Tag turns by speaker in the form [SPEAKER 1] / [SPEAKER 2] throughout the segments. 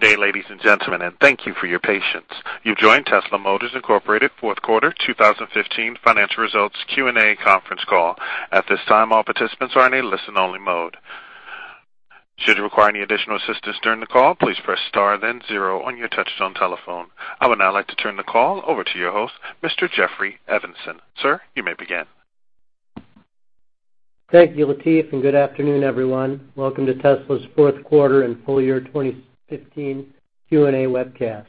[SPEAKER 1] Good day, ladies and gentlemen. Thank you for your patience. You've joined Tesla Motors, Inc. fourth quarter 2015 financial results Q&A conference call. At this time, all participants are in a listen-only mode. Should you require any additional assistance during the call, please press star then zero on your touch-tone telephone. I would now like to turn the call over to your host, Mr. Jeff Evanson. Sir, you may begin.
[SPEAKER 2] Thank you, Latif. Good afternoon, everyone. Welcome to Tesla's fourth quarter and full year 2015 Q&A webcast.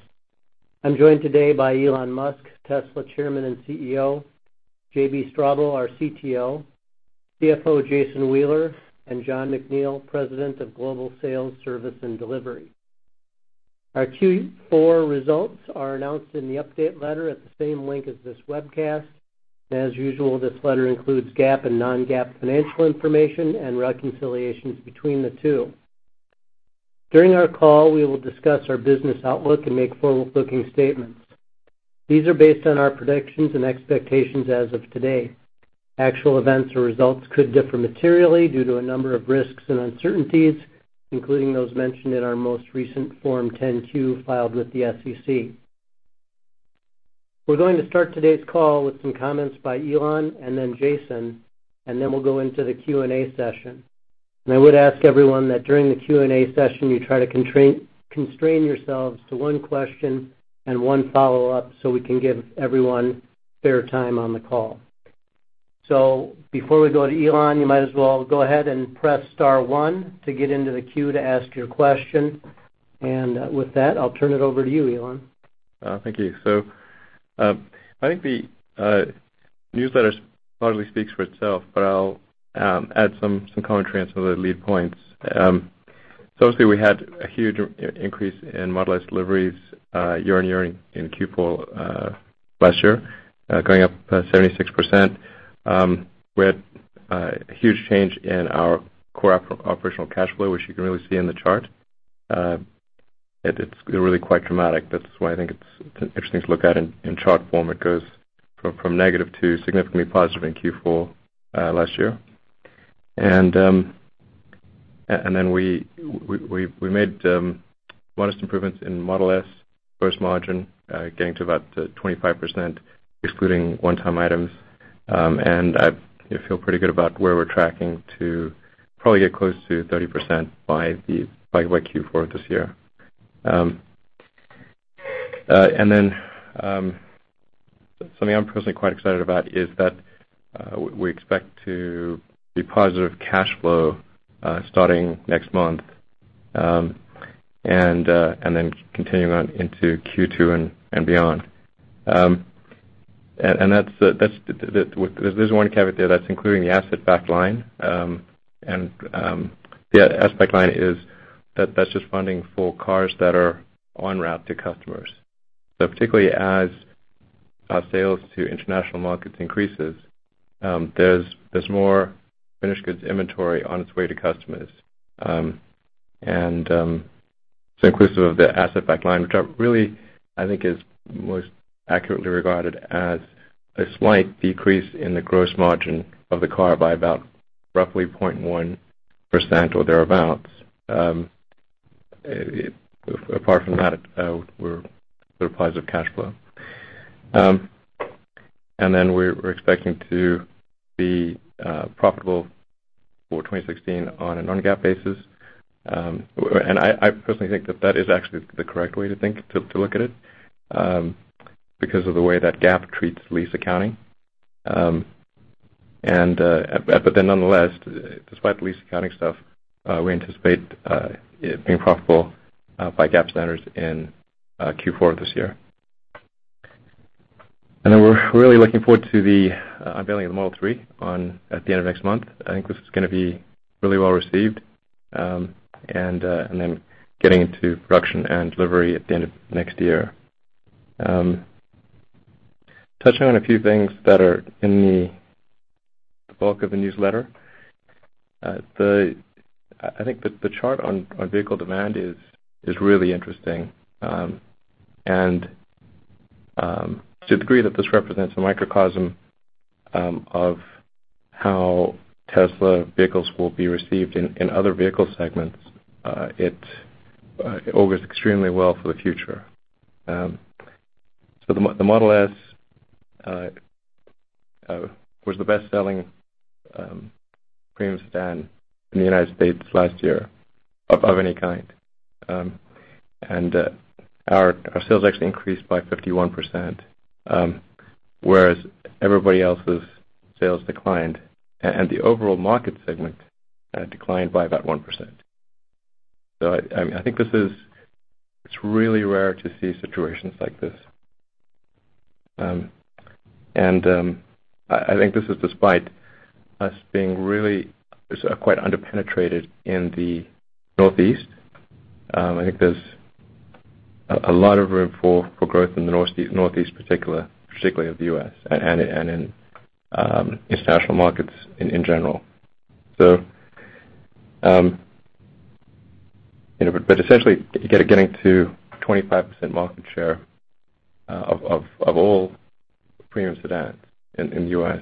[SPEAKER 2] I'm joined today by Elon Musk, Tesla Chairman and CEO, JB Straubel, our CTO, CFO Jason Wheeler, and Jon McNeill, President of Global Sales, Service, and Delivery. Our Q4 results are announced in the update letter at the same link as this webcast. As usual, this letter includes GAAP and non-GAAP financial information and reconciliations between the two. During our call, we will discuss our business outlook and make forward-looking statements. These are based on our predictions and expectations as of today. Actual events or results could differ materially due to a number of risks and uncertainties, including those mentioned in our most recent Form 10-Q filed with the SEC. We're going to start today's call with some comments by Elon and then Jason, and then we'll go into the Q&A session. I would ask everyone that during the Q&A session, you try to constrain yourselves to one question and one follow-up so we can give everyone fair time on the call. Before we go to Elon, you might as well go ahead and press star one to get into the queue to ask your question. With that, I'll turn it over to you, Elon.
[SPEAKER 3] Thank you. I think the newsletter largely speaks for itself, but I'll add some commentary on some of the lead points. Obviously, we had a huge increase in Model S deliveries year-on-year in Q4 last year, going up 76%. We had a huge change in our core operational cash flow, which you can really see in the chart. It's really quite dramatic. That's why I think it's interesting to look at in chart form. It goes from negative to significantly positive in Q4 last year. Then we made modest improvements in Model S gross margin, getting to about 25%, excluding one-time items. I feel pretty good about where we're tracking to probably get close to 30% by Q4 this year. Something I'm personally quite excited about is that we expect to be positive cash flow starting next month, continuing on into Q2 and beyond. There's one caveat there, that's including the asset-backed line. The asset-backed line is that's just funding for cars that are en route to customers. Particularly as our sales to international markets increases, there's more finished goods inventory on its way to customers. Inclusive of the asset-backed line, which really I think is most accurately regarded as a slight decrease in the gross margin of the car by about roughly 0.1% or thereabouts. Apart from that, we're positive cash flow. We're expecting to be profitable for 2016 on a non-GAAP basis. I personally think that that is actually the correct way to think, to look at it, because of the way that GAAP treats lease accounting. Nonetheless, despite the lease accounting stuff, we anticipate being profitable by GAAP standards in Q4 of this year. We're really looking forward to the unveiling of the Model 3 at the end of next month. I think this is going to be really well-received, getting into production and delivery at the end of next year. Touching on a few things that are in the bulk of the newsletter, I think the chart on vehicle demand is really interesting. To the degree that this represents a microcosm of how Tesla vehicles will be received in other vehicle segments, it augurs extremely well for the future. The Model S was the best-selling premium sedan in the U.S. last year of any kind. Our sales actually increased by 51%, whereas everybody else's sales declined. The overall market segment declined by about 1%. I think it's really rare to see situations like this. I think this is despite us being really quite under-penetrated in the Northeast. I think there's a lot of room for growth in the Northeast particularly of the U.S. and in international markets in general. Essentially, getting to 25% market share of all premium sedans in the U.S.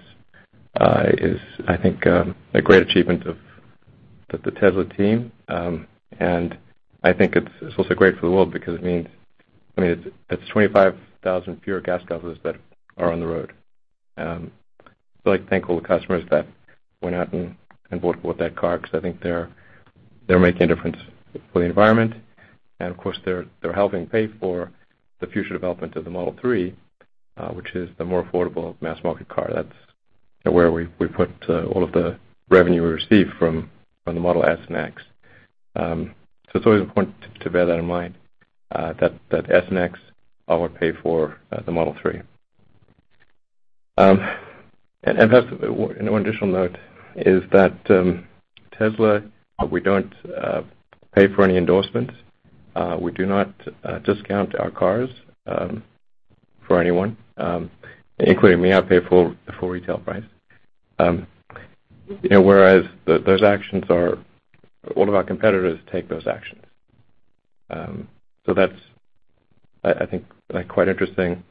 [SPEAKER 3] is, I think, a great achievement of the Tesla team. I think it's also great for the world because it means it's 25,000 fewer gas guzzlers that are on the road. I'd like to thank all the customers that went out and bought that car because I think they're making a difference for the environment. Of course, they're helping pay for the future development of the Model 3, which is the more affordable mass-market car. That's where we put all of the revenue we receive from the Model S and Model X. It's always important to bear that in mind, that Model S and Model X are what pay for the Model 3. Perhaps one additional note is that Tesla, we don't pay for any endorsements. We do not discount our cars for anyone, including me. I pay full retail price. All of our competitors take those actions. That's, I think, quite interesting.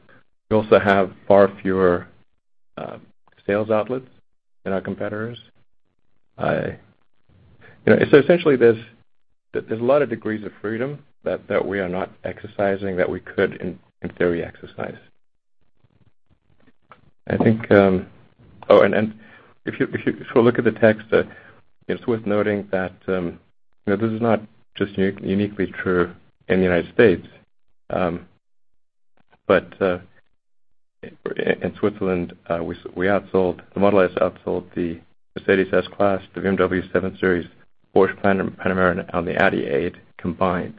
[SPEAKER 3] We also have far fewer sales outlets than our competitors. Essentially, there's a lot of degrees of freedom that we are not exercising that we could, in theory, exercise. If you look at the text, it's worth noting that this is not just uniquely true in the U.S. In Switzerland, the Model S outsold the Mercedes-Benz S-Class, the BMW 7 Series, Porsche Panamera, and the Audi A8 combined,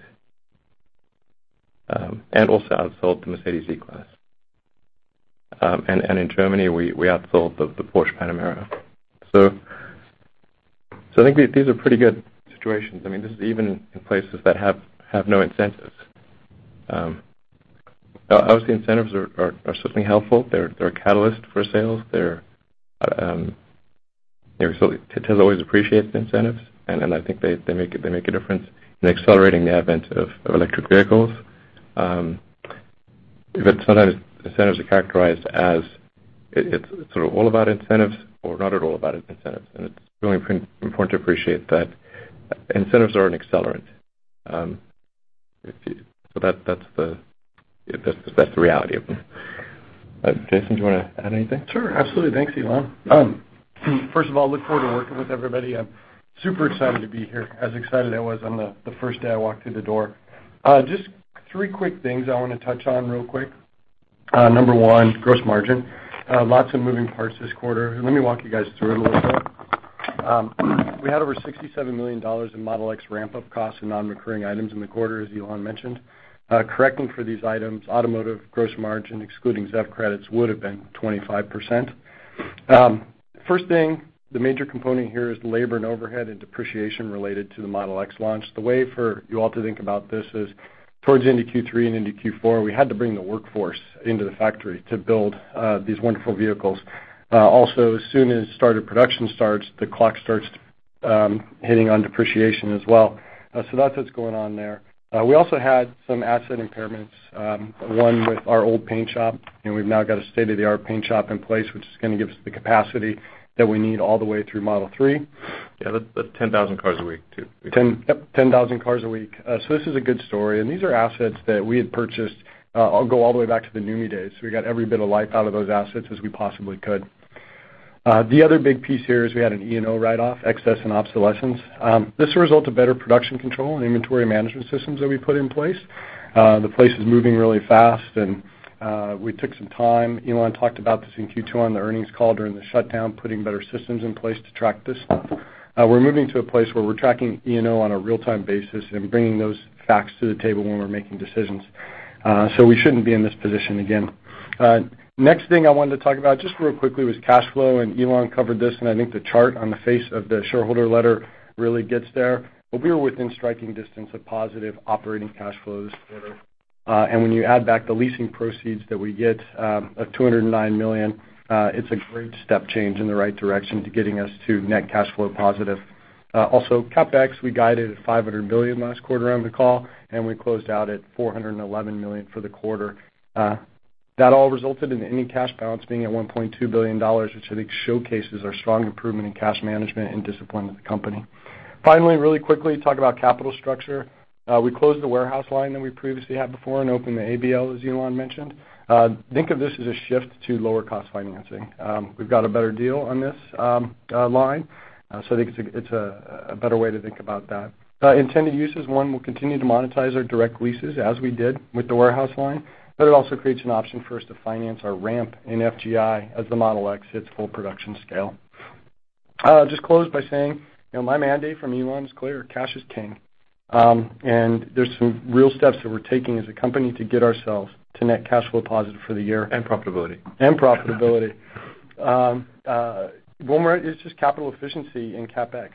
[SPEAKER 3] and also outsold the Mercedes-Benz E-Class. In Germany, we outsold the Porsche Panamera. I think these are pretty good situations. This is even in places that have no incentives. Obviously, incentives are certainly helpful. They're a catalyst for sales. Tesla always appreciates the incentives, and I think they make a difference in accelerating the advent of electric vehicles. Sometimes incentives are characterized as it's sort of all about incentives or not at all about incentives. It's really important to appreciate that incentives are an accelerant. That's the reality of them. Jason, do you want to add anything?
[SPEAKER 4] Sure, absolutely. Thanks, Elon. First of all, look forward to working with everybody. I'm super excited to be here, as excited as I was on the first day I walked through the door. Just three quick things I want to touch on real quick. Number 1, gross margin. Lots of moving parts this quarter. Let me walk you guys through it a little bit. We had over $67 million in Model X ramp-up costs and non-recurring items in the quarter, as Elon mentioned. Correcting for these items, automotive gross margin, excluding ZEV credits, would have been 25%. First thing, the major component here is labor and overhead and depreciation related to the Model X launch. The way for you all to think about this is towards the end of Q3 and into Q4, we had to bring the workforce into the factory to build these wonderful vehicles. Also, as soon as production starts, the clock starts hitting on depreciation as well. That's what's going on there. We also had some asset impairments, one with our old paint shop, and we've now got a state-of-the-art paint shop in place, which is going to give us the capacity that we need all the way through Model 3.
[SPEAKER 3] Yeah, that's 10,000 cars a week, too.
[SPEAKER 4] Yep, 10,000 cars a week. This is a good story. These are assets that we had purchased, go all the way back to the NUMMI days. We got every bit of life out of those assets as we possibly could. The other big piece here is we had an E&O write-off, excess and obsolescence. This is a result of better production control and inventory management systems that we put in place. The place is moving really fast, and we took some time. Elon talked about this in Q2 on the earnings call during the shutdown, putting better systems in place to track this stuff. We're moving to a place where we're tracking E&O on a real-time basis and bringing those facts to the table when we're making decisions. We shouldn't be in this position again. Next thing I wanted to talk about, just real quickly, was cash flow. Elon covered this, and I think the chart on the face of the shareholder letter really gets there. We were within striking distance of positive operating cash flow this quarter. When you add back the leasing proceeds that we get of $209 million, it's a great step change in the right direction to getting us to net cash flow positive. Also, CapEx, we guided at $500 million last quarter on the call, and we closed out at $411 million for the quarter. That all resulted in ending cash balance being at $1.2 billion, which I think showcases our strong improvement in cash management and discipline of the company. Finally, really quickly, talk about capital structure. We closed the warehouse line that we previously had before and opened the ABL, as Elon mentioned. Think of this as a shift to lower-cost financing. We've got a better deal on this line, I think it's a better way to think about that. Intended uses, one, we'll continue to monetize our direct leases as we did with the warehouse line, but it also creates an option for us to finance our ramp in FGI as the Model X hits full production scale. I'll just close by saying, my mandate from Elon is clear: Cash is king. There's some real steps that we're taking as a company to get ourselves to net cash flow positive for the year.
[SPEAKER 3] Profitability.
[SPEAKER 4] Profitability. One more, it's just capital efficiency in CapEx.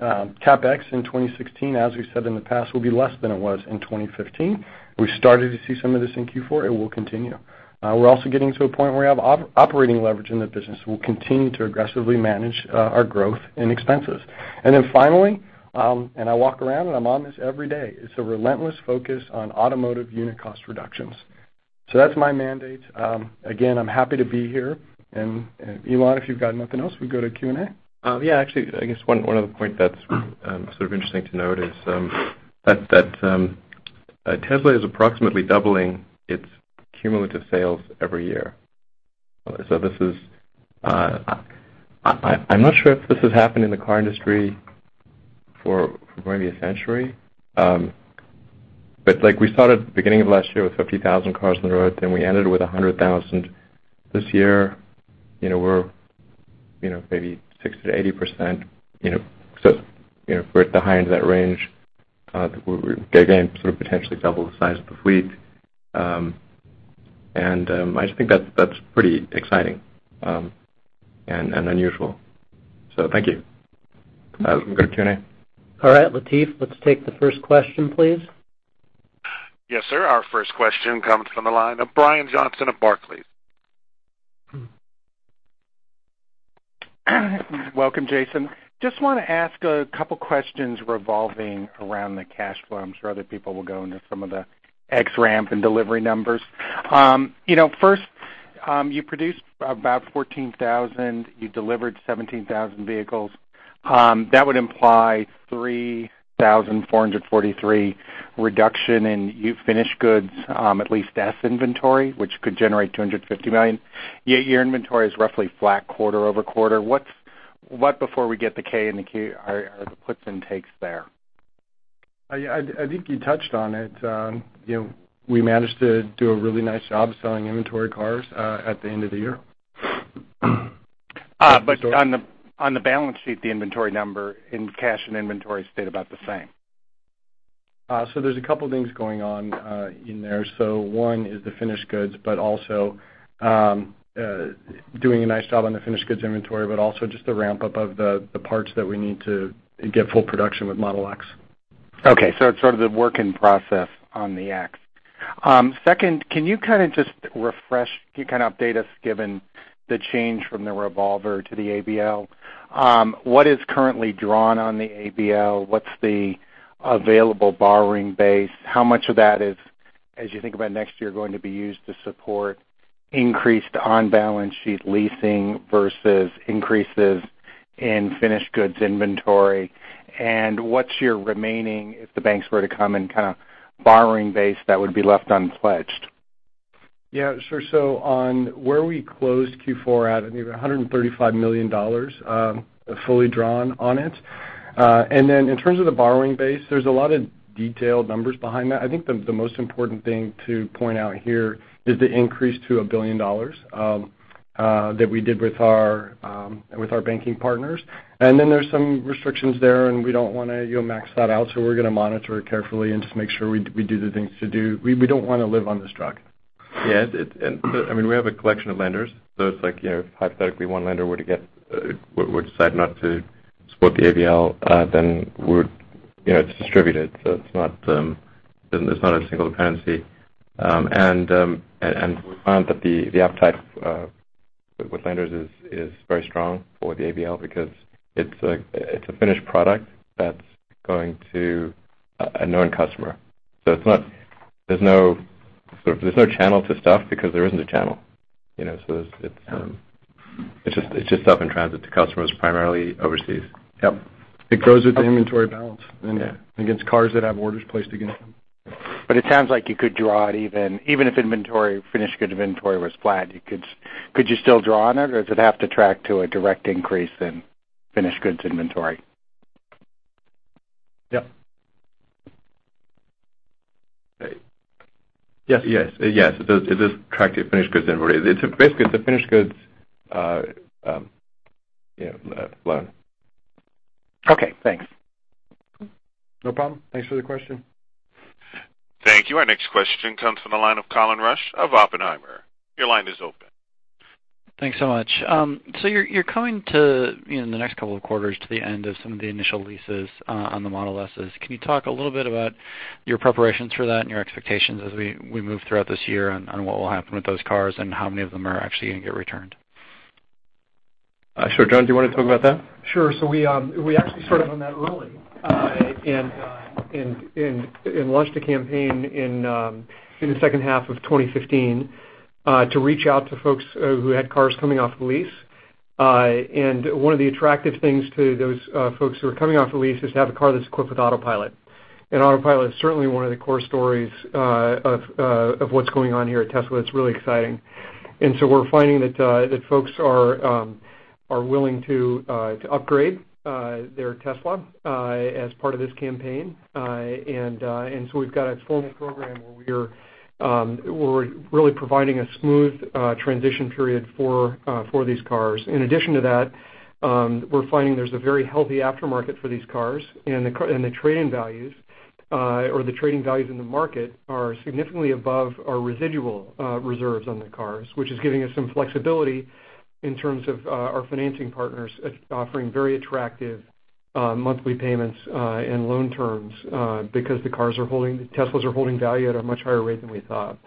[SPEAKER 4] CapEx in 2016, as we've said in the past, will be less than it was in 2015. We've started to see some of this in Q4. It will continue. We're also getting to a point where we have operating leverage in the business. We'll continue to aggressively manage our growth and expenses. I walk around and I'm on this every day, it's a relentless focus on automotive unit cost reductions. That's my mandate. Again, I'm happy to be here. Elon, if you've got nothing else, we can go to Q&A.
[SPEAKER 3] I guess one other point that's interesting to note is that Tesla is approximately doubling its cumulative sales every year. I'm not sure if this has happened in the car industry for maybe a century. We started at the beginning of last year with 50,000 cars on the road, then we ended with 100,000 this year. We're maybe 60%-80%, so we're at the high end of that range. Again, potentially double the size of the fleet. I just think that's pretty exciting and unusual. Thank you. We can go to Q&A.
[SPEAKER 2] Latif, let's take the first question, please.
[SPEAKER 1] Yes, sir. Our first question comes from the line of Brian Johnson of Barclays.
[SPEAKER 5] Welcome, Jason. Just want to ask a couple questions revolving around the cash flow. I'm sure other people will go into some of the Model X ramp and delivery numbers. First, you produced about 14,000, you delivered 17,000 vehicles. That would imply 3,443 reduction in finished goods, at least as inventory, which could generate $250 million. Yet your inventory is roughly flat quarter-over-quarter. What, before we get the 10-K and the 10-Q, are the puts and takes there?
[SPEAKER 4] I think you touched on it. We managed to do a really nice job selling inventory cars at the end of the year.
[SPEAKER 5] On the balance sheet, the inventory number in cash and inventory stayed about the same.
[SPEAKER 4] There's a couple things going on in there. One is the finished goods, doing a nice job on the finished goods inventory, but also just the ramp up of the parts that we need to get full production with Model X.
[SPEAKER 5] It's sort of the work in process on the Model X. Second, can you kind of just refresh, can you kind of update us, given the change from the revolver to the ABL? What is currently drawn on the ABL? What's the available borrowing base? How much of that is, as you think about next year, going to be used to support increased on-balance sheet leasing versus increases in finished goods inventory? What's your remaining, if the banks were to come and kind of borrowing base, that would be left unpledged?
[SPEAKER 4] Yeah, sure. On where we closed Q4 at, I think we're $135 million fully drawn on it. In terms of the borrowing base, there's a lot of detailed numbers behind that. I think the most important thing to point out here is the increase to $1 billion that we did with our banking partners. Then there's some restrictions there, and we don't want to max that out, so we're going to monitor it carefully and just make sure we do the things to do. We don't want to live on this crutch.
[SPEAKER 3] Yeah. We have a collection of lenders, so it's like, hypothetically one lender were to decide not to support the ABL, then it's distributed. It's not a single dependency. We found that the appetite with lenders is very strong for the ABL because it's a finished product that's going to a known customer. There's no channel to stuff because there isn't a channel. It's just stuff in transit to customers primarily overseas.
[SPEAKER 4] Yep. It grows with the inventory balance.
[SPEAKER 3] Yeah
[SPEAKER 4] Against cars that have orders placed against them.
[SPEAKER 5] It sounds like you could draw it even if finished inventory was flat. Could you still draw on it, or does it have to track to a direct increase in finished goods inventory?
[SPEAKER 4] Yep. Yes.
[SPEAKER 3] Yes. It does track to finished goods inventories. Basically, it's a finished goods loan.
[SPEAKER 5] Okay, thanks.
[SPEAKER 4] No problem. Thanks for the question.
[SPEAKER 1] Thank you. Our next question comes from the line of Colin Rusch of Oppenheimer. Your line is open.
[SPEAKER 6] Thanks so much. You're coming to, in the next couple of quarters, to the end of some of the initial leases on the Model S's. Can you talk a little bit about your preparations for that and your expectations as we move throughout this year on what will happen with those cars and how many of them are actually going to get returned?
[SPEAKER 4] Sure. Jon, do you want to talk about that?
[SPEAKER 7] Sure. We actually started on that early and launched a campaign in the second half of 2015 to reach out to folks who had cars coming off lease. One of the attractive things to those folks who are coming off a lease is to have a car that's equipped with Autopilot. Autopilot is certainly one of the core stories of what's going on here at Tesla. It's really exciting. We're finding that folks are willing to upgrade their Tesla as part of this campaign. We've got a full-on program where we're really providing a smooth transition period for these cars. In addition to that, we're finding there's a very healthy aftermarket for these cars, and the trading values in the market are significantly above our residual reserves on the cars, which is giving us some flexibility in terms of our financing partners offering very attractive monthly payments and loan terms because the Teslas are holding value at a much higher rate than we thought.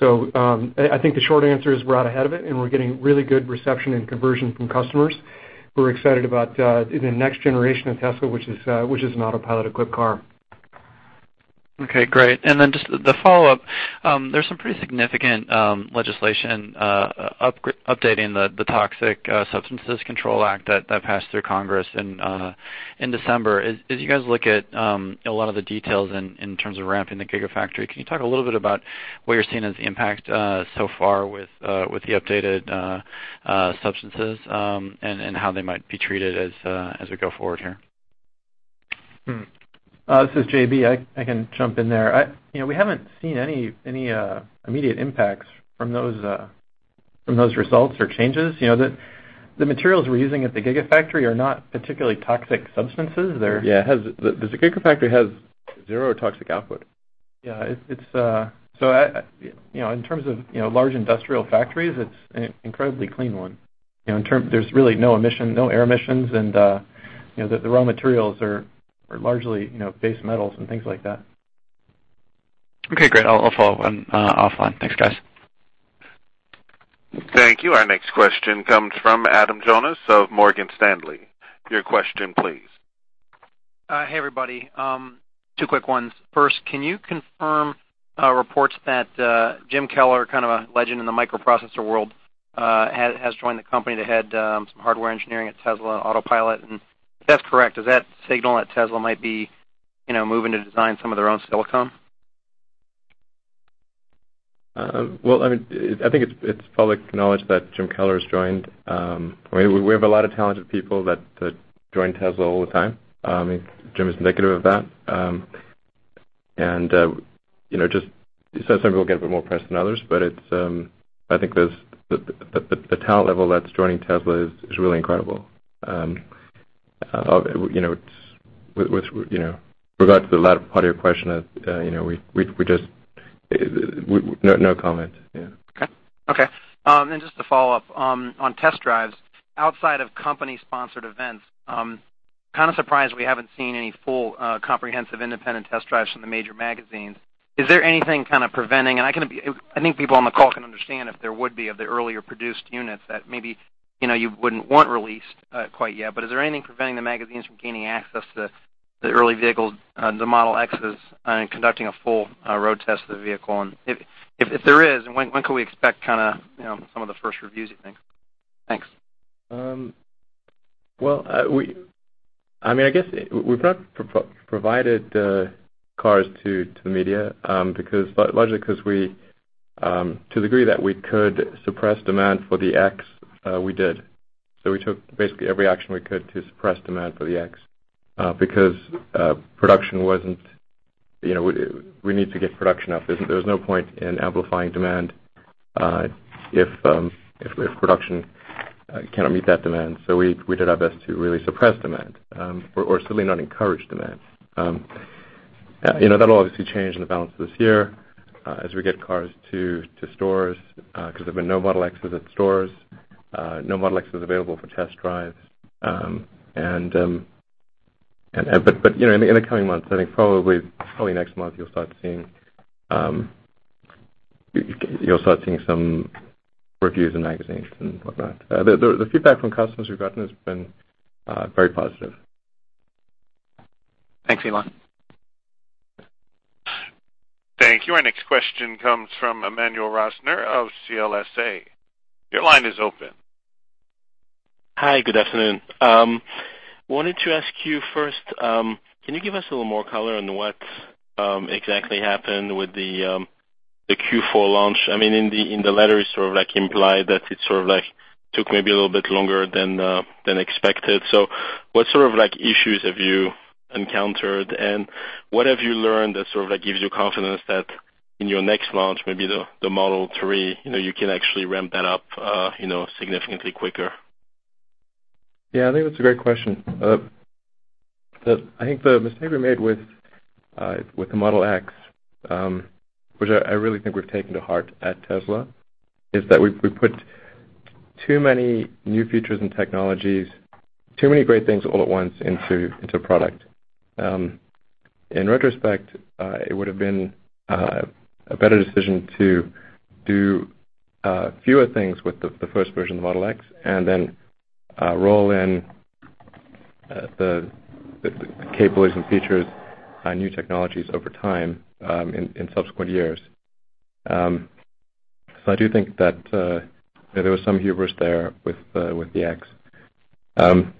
[SPEAKER 7] I think the short answer is we're out ahead of it, and we're getting really good reception and conversion from customers, who are excited about the next generation of Tesla, which is an Autopilot-equipped car.
[SPEAKER 6] Okay, great. Just the follow-up, there's some pretty significant legislation updating the Toxic Substances Control Act that passed through Congress in December. As you guys look at a lot of the details in terms of ramping the Gigafactory, can you talk a little bit about what you're seeing as the impact so far with the updated substances and how they might be treated as we go forward here?
[SPEAKER 8] This is JB. I can jump in there. We haven't seen any immediate impacts from those results or changes. The materials we're using at the Gigafactory are not particularly toxic substances.
[SPEAKER 3] Yeah, the Gigafactory has zero toxic output.
[SPEAKER 8] Yeah. In terms of large industrial factories, it's an incredibly clean one. There's really no air emissions, and the raw materials are largely base metals and things like that.
[SPEAKER 6] Okay, great. I'll follow up offline. Thanks, guys.
[SPEAKER 1] Thank you. Our next question comes from Adam Jonas of Morgan Stanley. Your question please.
[SPEAKER 9] Hey, everybody. Two quick ones. First, can you confirm reports that Jim Keller, kind of a legend in the microprocessor world, has joined the company that had some hardware engineering at Tesla and Autopilot? If that's correct, does that signal that Tesla might be moving to design some of their own silicon?
[SPEAKER 3] Well, I think it's public knowledge that Jim Keller has joined. We have a lot of talented people that join Tesla all the time. Jim is indicative of that. Just some people get a bit more press than others, but I think the talent level that's joining Tesla is really incredible. With regard to the latter part of your question, no comment. Yeah.
[SPEAKER 9] Okay. Just to follow up on test drives, outside of company-sponsored events, kind of surprised we haven't seen any full, comprehensive, independent test drives from the major magazines. Is there anything kind of preventing, and I think people on the call can understand if there would be of the earlier-produced units that maybe you wouldn't want released quite yet, but is there anything preventing the magazines from gaining access to the early vehicles, the Model Xs, and conducting a full road test of the vehicle? If there is, when could we expect some of the first reviews, you think? Thanks.
[SPEAKER 3] Well, I guess we've not provided cars to the media, largely because to the degree that we could suppress demand for the X, we did. We took basically every action we could to suppress demand for the X, because we need to get production up. There's no point in amplifying demand if production cannot meet that demand. We did our best to really suppress demand or certainly not encourage demand. That'll obviously change in the balance this year as we get cars to stores, because there've been no Model Xs at stores, no Model Xs available for test drives. In the coming months, I think probably next month, you'll start seeing some reviews in magazines and whatnot. The feedback from customers we've gotten has been very positive.
[SPEAKER 9] Thanks, Elon.
[SPEAKER 1] Thank you. Our next question comes from Emmanuel Rosner of CLSA. Your line is open.
[SPEAKER 10] Hi, good afternoon. Wanted to ask you first, can you give us a little more color on what exactly happened with the Q4 launch? In the letter, you sort of implied that it sort of took maybe a little bit longer than expected. What sort of issues have you encountered, and what have you learned that sort of gives you confidence that in your next launch, maybe the Model 3, you can actually ramp that up significantly quicker?
[SPEAKER 3] Yeah, I think that's a great question. I think the mistake we made with the Model X, which I really think we've taken to heart at Tesla, is that we put too many new features and technologies, too many great things all at once into a product. In retrospect, it would've been a better decision to do fewer things with the first version of the Model X and then roll in the capabilities and features, new technologies over time in subsequent years. I do think that there was some hubris there with the X. The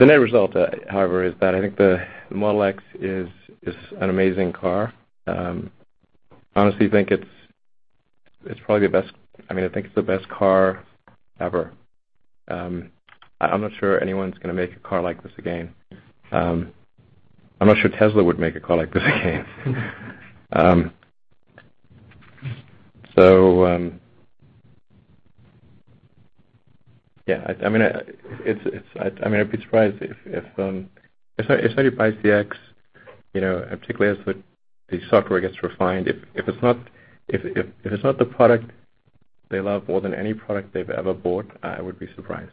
[SPEAKER 3] net result, however, is that I think the Model X is an amazing car. I honestly think it's the best car ever. I'm not sure anyone's going to make a car like this again. I'm not sure Tesla would make a car like this again. I'd be surprised if somebody buys the X, particularly as the software gets refined, if it's not the product they love more than any product they've ever bought, I would be surprised.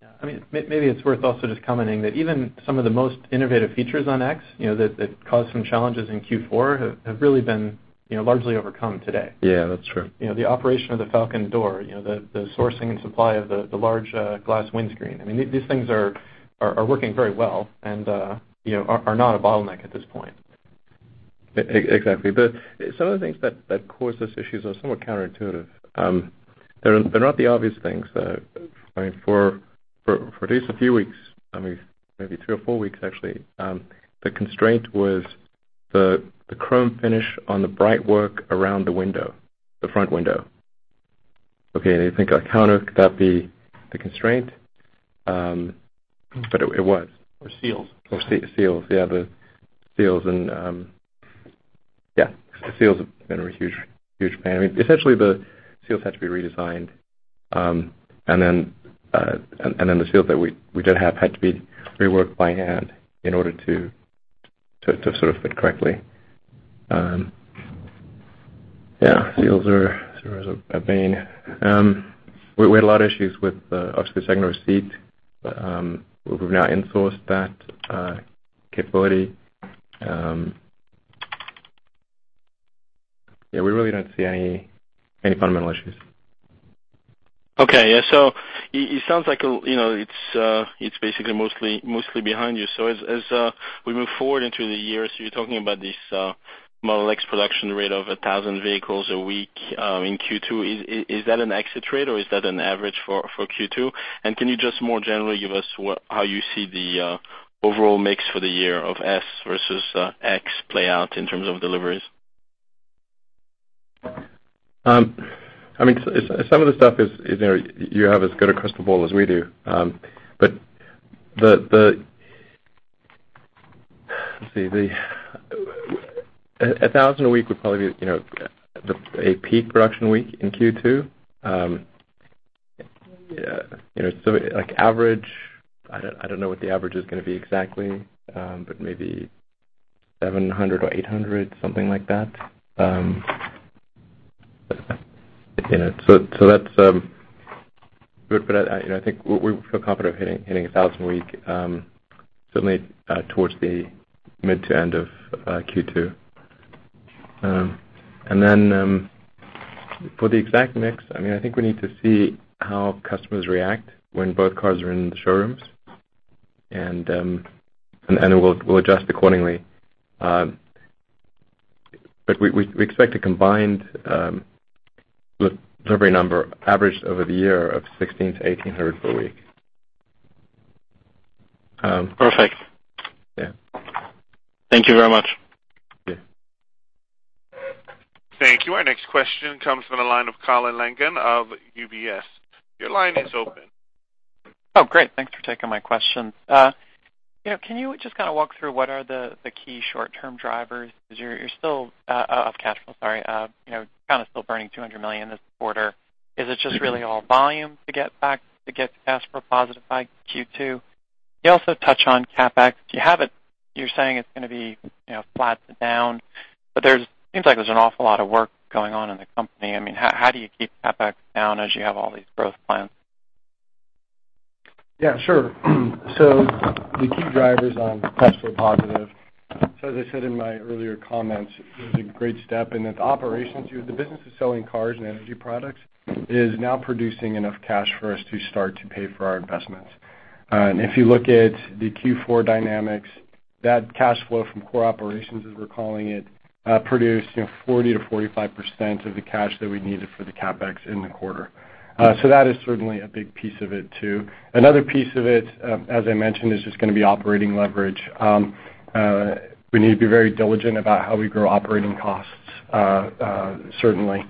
[SPEAKER 8] Yeah. Maybe it's worth also just commenting that even some of the most innovative features on X that caused some challenges in Q4 have really been largely overcome today.
[SPEAKER 3] Yeah, that's true.
[SPEAKER 8] The operation of the Falcon Door, the sourcing and supply of the large glass windscreen. These things are working very well and are not a bottleneck at this point.
[SPEAKER 3] Exactly. Some of the things that cause us issues are somewhat counterintuitive. They're not the obvious things. For at least a few weeks, maybe three or four weeks actually, the constraint was the chrome finish on the bright work around the front window. Okay, you think, how on earth could that be the constraint? It was.
[SPEAKER 4] Seals.
[SPEAKER 3] Seals, yeah. Yeah, the seals have been a huge pain. Essentially, the seals had to be redesigned. Then the seals that we did have had to be reworked by hand in order to fit correctly. Yeah, seals are a bane. We had a lot of issues with obviously second row seat, we've now in-sourced that capability. Yeah, we really don't see any fundamental issues.
[SPEAKER 10] Okay. Yeah, it sounds like it's basically mostly behind you. As we move forward into the year, you're talking about this Model X production rate of 1,000 vehicles a week in Q2. Is that an exit rate or is that an average for Q2? Can you just more generally give us how you see the overall mix for the year of S versus X play out in terms of deliveries?
[SPEAKER 3] Some of the stuff is, you have as good a crystal ball as we do. Let's see, 1,000 a week would probably be a peak production week in Q2. I don't know what the average is going to be exactly, but maybe 700 or 800, something like that. I think we feel confident hitting 1,000 a week, certainly towards the mid to end of Q2. For the exact mix, I think we need to see how customers react when both cars are in the showrooms. We'll adjust accordingly. We expect a combined delivery number average over the year of 1,600 to 1,800 per week.
[SPEAKER 10] Perfect.
[SPEAKER 3] Yeah.
[SPEAKER 10] Thank you very much.
[SPEAKER 3] Yeah.
[SPEAKER 1] Thank you. Our next question comes from the line of Colin Langan of UBS. Your line is open.
[SPEAKER 11] Thanks for taking my question. Can you just kind of walk through what are the key short-term drivers? You're still off cash flow, sorry, kind of still burning $200 million this quarter. Is it just really all volume to get to cash flow positive by Q2? You also touch on CapEx. You're saying it's going to be flat to down, seems like there's an awful lot of work going on in the company. How do you keep CapEx down as you have all these growth plans?
[SPEAKER 4] Yeah, sure. The key drivers on cash flow positive. As I said in my earlier comments, it was a great step in that the operations, the business of selling cars and energy products is now producing enough cash for us to start to pay for our investments. If you look at the Q4 dynamics, that cash flow from core operations, as we're calling it, produced 40%-45% of the cash that we needed for the CapEx in the quarter. That is certainly a big piece of it too. Another piece of it, as I mentioned, is just going to be operating leverage. We need to be very diligent about how we grow operating costs, certainly.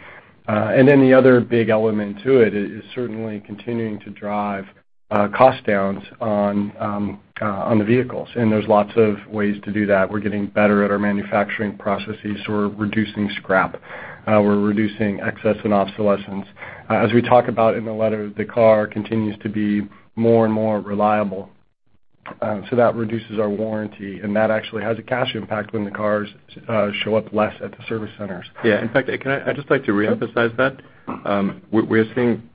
[SPEAKER 4] The other big element to it is certainly continuing to drive cost downs on the vehicles, and there's lots of ways to do that. We're getting better at our manufacturing processes. We're reducing scrap. We're reducing excess and obsolescence. As we talk about in the letter, the car continues to be more and more reliable. That reduces our warranty, and that actually has a cash impact when the cars show up less at the service centers.
[SPEAKER 3] Yeah. In fact, I'd just like to reemphasize that. We're seeing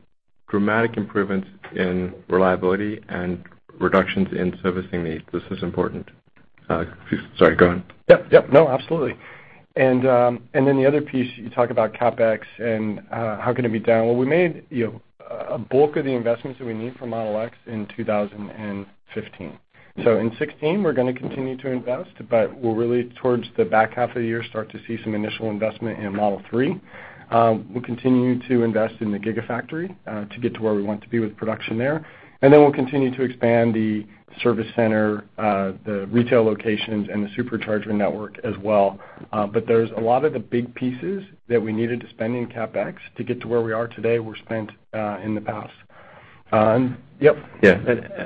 [SPEAKER 3] dramatic improvements in reliability and reductions in servicing needs. This is important. Sorry, go on.
[SPEAKER 4] Yep, yep. No, absolutely. The other piece, you talk about CapEx and how can it be down? Well, we made a bulk of the investments that we need for Model X in 2015. In 2016, we're going to continue to invest, but we'll really, towards the back half of the year, start to see some initial investment in Model 3. We'll continue to invest in the Gigafactory to get to where we want to be with production there. We'll continue to expand the service center, the retail locations, and the Supercharger network as well. There's a lot of the big pieces that we needed to spend in CapEx to get to where we are today were spent in the past. Yep.
[SPEAKER 3] Yeah.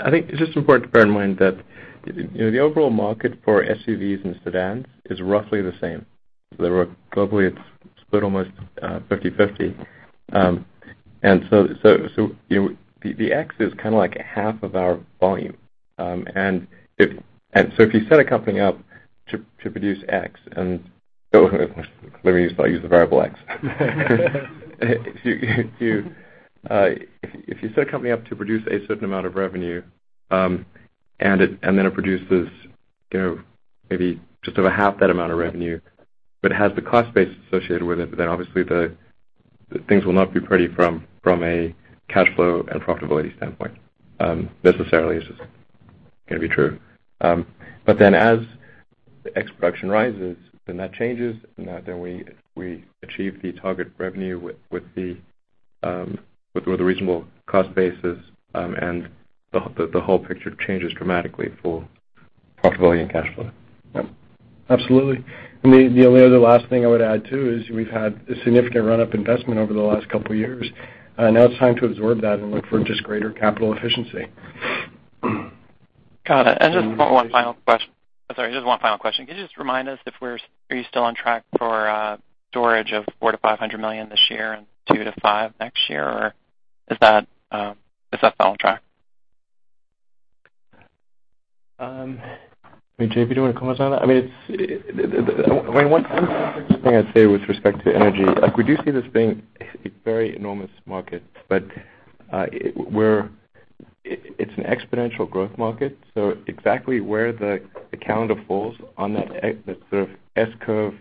[SPEAKER 3] I think it's just important to bear in mind that the overall market for SUVs and sedans is roughly the same. Roughly it's split almost 50/50. The X is kind of half of our volume. If you set a company up to produce X. Let me just use the variable X. If you set a company up to produce a certain amount of revenue, and then it produces maybe just over half that amount of revenue, but has the cost base associated with it, then obviously the things will not be pretty from a cash flow and profitability standpoint, necessarily. Going to be true. As the X production rises, then that changes and then we achieve the target revenue with a reasonable cost basis and the whole picture changes dramatically for profitability and cash flow.
[SPEAKER 4] Absolutely. The only other last thing I would add, too, is we've had a significant run-up investment over the last couple of years. Now it's time to absorb that and look for just greater capital efficiency.
[SPEAKER 11] Got it. Just one final question. Could you just remind us, are you still on track for storage of $4 to $500 million this year and $2 to $5 next year, or is that still on track?
[SPEAKER 3] JB, do you want to comment on that? One thing I'd say with respect to energy, we do see this being a very enormous market, but it's an exponential growth market, exactly where the calendar falls on that sort of S-curve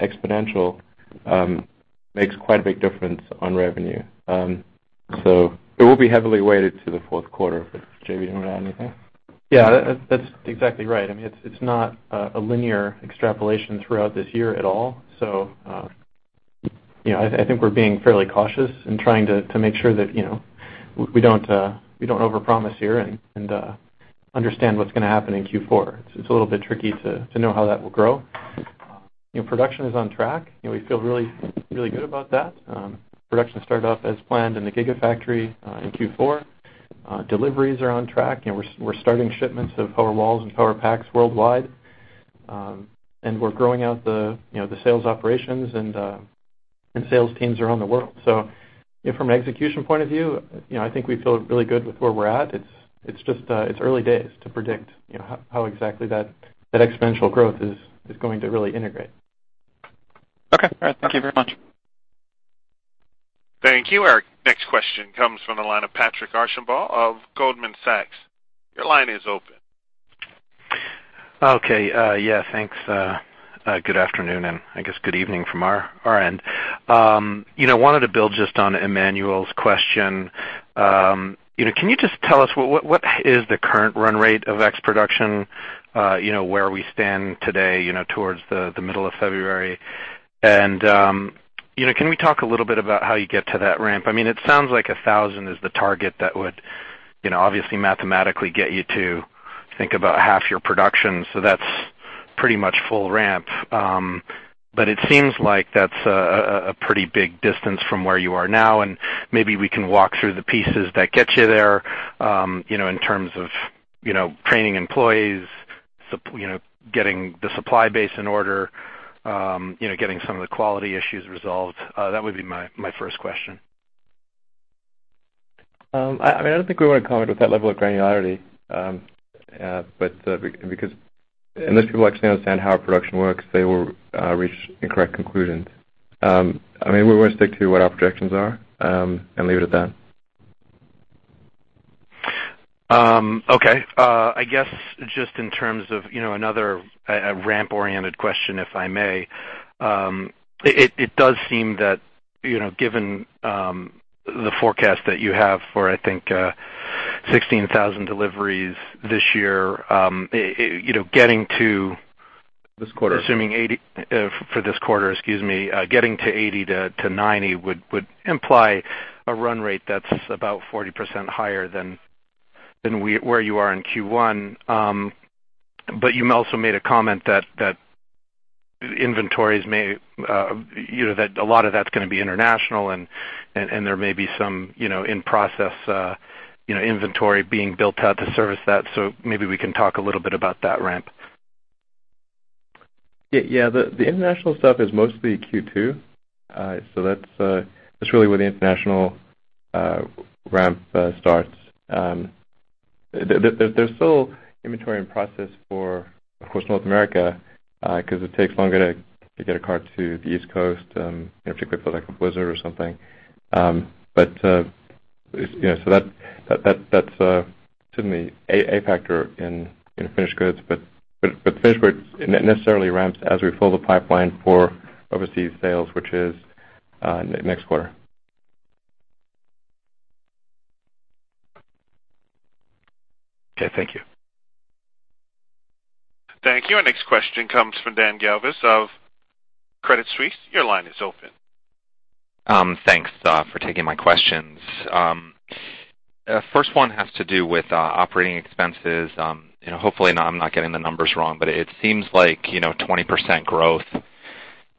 [SPEAKER 3] exponential makes quite a big difference on revenue. It will be heavily weighted to the fourth quarter, Jay, do you want to add anything?
[SPEAKER 4] Yeah, that's exactly right. It's not a linear extrapolation throughout this year at all. I think we're being fairly cautious and trying to make sure that we don't overpromise here, and understand what's going to happen in Q4. It's a little bit tricky to know how that will grow. Production is on track. We feel really good about that. Production started off as planned in the Gigafactory in Q4. Deliveries are on track. We're starting shipments of Powerwall and Powerpack worldwide. We're growing out the sales operations and sales teams around the world. From an execution point of view, I think we feel really good with where we're at. It's early days to predict how exactly that exponential growth is going to really integrate.
[SPEAKER 11] Okay. All right. Thank you very much.
[SPEAKER 1] Thank you. Our next question comes from the line of Patrick Archambault of Goldman Sachs. Your line is open.
[SPEAKER 12] Okay. Yeah, thanks. Good afternoon and I guess good evening from our end. Wanted to build just on Emmanuel's question. Can you just tell us what is the current run rate of X production, where we stand today towards the middle of February? Can we talk a little bit about how you get to that ramp? It sounds like 1,000 is the target that would obviously mathematically get you to think about half your production, so that's pretty much full ramp. It seems like that's a pretty big distance from where you are now, and maybe we can walk through the pieces that get you there, in terms of training employees, getting the supply base in order, getting some of the quality issues resolved. That would be my first question.
[SPEAKER 3] I don't think we want to comment with that level of granularity, because unless people actually understand how our production works, they will reach incorrect conclusions. We want to stick to what our projections are and leave it at that.
[SPEAKER 12] Okay. I guess, just in terms of another ramp-oriented question, if I may. It does seem that, given the forecast that you have for, I think, 16,000 deliveries this year.
[SPEAKER 3] This quarter
[SPEAKER 12] for this quarter, excuse me, getting to 80-90 would imply a run rate that's about 40% higher than where you are in Q1. You also made a comment that inventories, that a lot of that's going to be international and there may be some in-process inventory being built out to service that, maybe we can talk a little bit about that ramp.
[SPEAKER 3] Yeah. The international stuff is mostly Q2. That's really where the international ramp starts. There's still inventory in-process for, of course, North America, because it takes longer to get a car to the East Coast, particularly if we have a blizzard or something. That's certainly a factor in finished goods, finished goods necessarily ramps as we fill the pipeline for overseas sales, which is next quarter.
[SPEAKER 12] Okay. Thank you.
[SPEAKER 1] Thank you. Our next question comes from Dan Galves of Credit Suisse. Your line is open.
[SPEAKER 13] Thanks for taking my questions. First one has to do with operating expenses. Hopefully I'm not getting the numbers wrong, it seems like 20% growth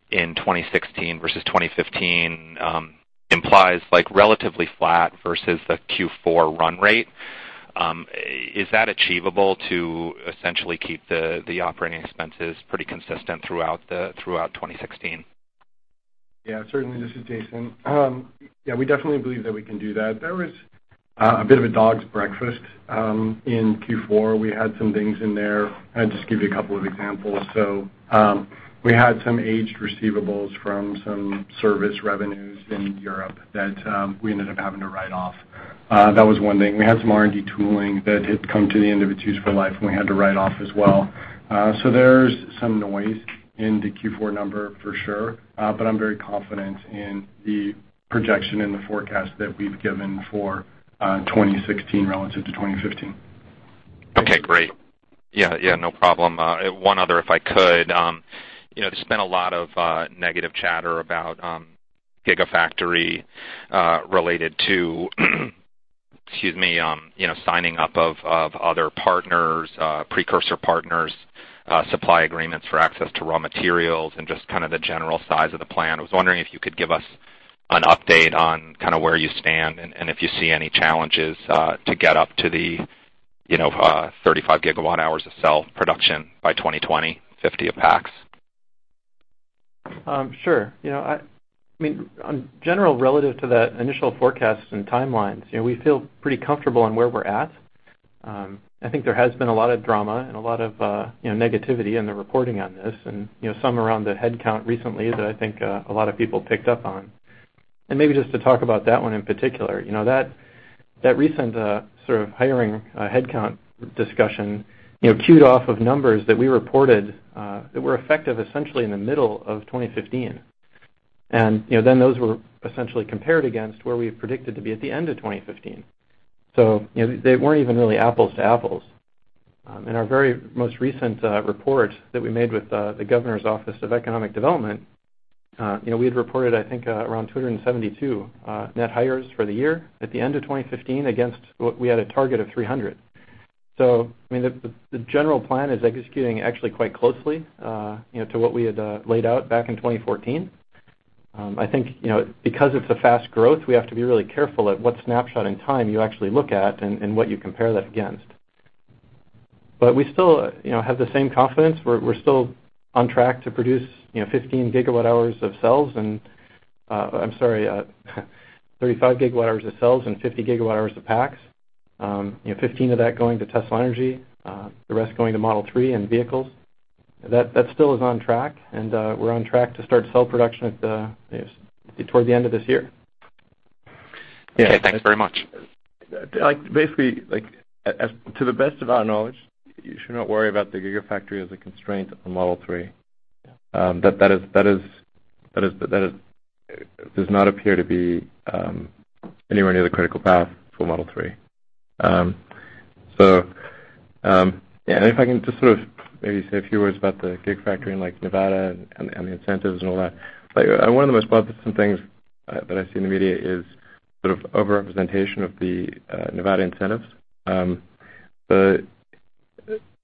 [SPEAKER 13] in 2016 versus 2015 implies relatively flat versus the Q4 run rate. Is that achievable to essentially keep the operating expenses pretty consistent throughout 2016?
[SPEAKER 4] Certainly. This is Jason. We definitely believe that we can do that. There was a bit of a dog's breakfast in Q4. We had some things in there. I'll just give you a couple of examples. We had some aged receivables from some service revenues in Europe that we ended up having to write off. That was one thing. We had some R&D tooling that had come to the end of its useful life, and we had to write off as well. There's some noise in the Q4 number for sure, but I'm very confident in the projection and the forecast that we've given for 2016 relative to 2015.
[SPEAKER 13] Okay, great. No problem. One other, if I could. There's been a lot of negative chatter about Gigafactory related to signing up of other partners, precursor partners, supply agreements for access to raw materials, and just kind of the general size of the plant. I was wondering if you could give us an update on where you stand and if you see any challenges to get up to the 35 gigawatt hours of cell production by 2020, 50 of packs.
[SPEAKER 8] Sure. On general, relative to the initial forecasts and timelines, we feel pretty comfortable on where we're at. I think there has been a lot of drama and a lot of negativity in the reporting on this, and some around the headcount recently that I think a lot of people picked up on. Maybe just to talk about that one in particular, that recent sort of hiring headcount discussion queued off of numbers that we reported that were effective essentially in the middle of 2015. Those were essentially compared against where we had predicted to be at the end of 2015. They weren't even really apples to apples. In our very most recent report that we made with the Nevada Governor's Office of Economic Development, we had reported, I think, around 272 net hires for the year at the end of 2015 against what we had a target of 300. The general plan is executing actually quite closely to what we had laid out back in 2014. I think because of the fast growth, we have to be really careful at what snapshot in time you actually look at and what you compare that against. We still have the same confidence. We're still on track to produce 15 gigawatt hours of cells and, I'm sorry, 35 gigawatt hours of cells and 50 gigawatt hours of packs. 15 of that going to Tesla Energy, the rest going to Model 3 and vehicles. That still is on track, and we're on track to start cell production toward the end of this year.
[SPEAKER 13] Okay. Thanks very much.
[SPEAKER 3] Basically, to the best of our knowledge, you should not worry about the Gigafactory as a constraint on Model 3.
[SPEAKER 8] Yeah.
[SPEAKER 3] That does not appear to be anywhere near the critical path for Model 3. If I can just maybe say a few words about the Gigafactory in Nevada and the incentives and all that. One of the most bothersome things that I see in the media is sort of overrepresentation of the Nevada incentives. The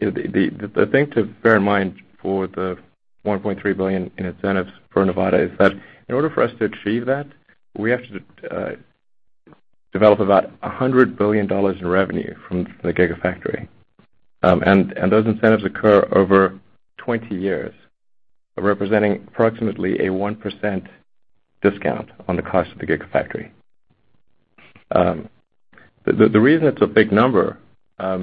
[SPEAKER 3] thing to bear in mind for the $1.3 billion in incentives for Nevada is that in order for us to achieve that, we have to develop about $100 billion in revenue from the Gigafactory. Those incentives occur over 20 years, representing approximately a 1% discount on the cost of the Gigafactory. The reason it's a big number, I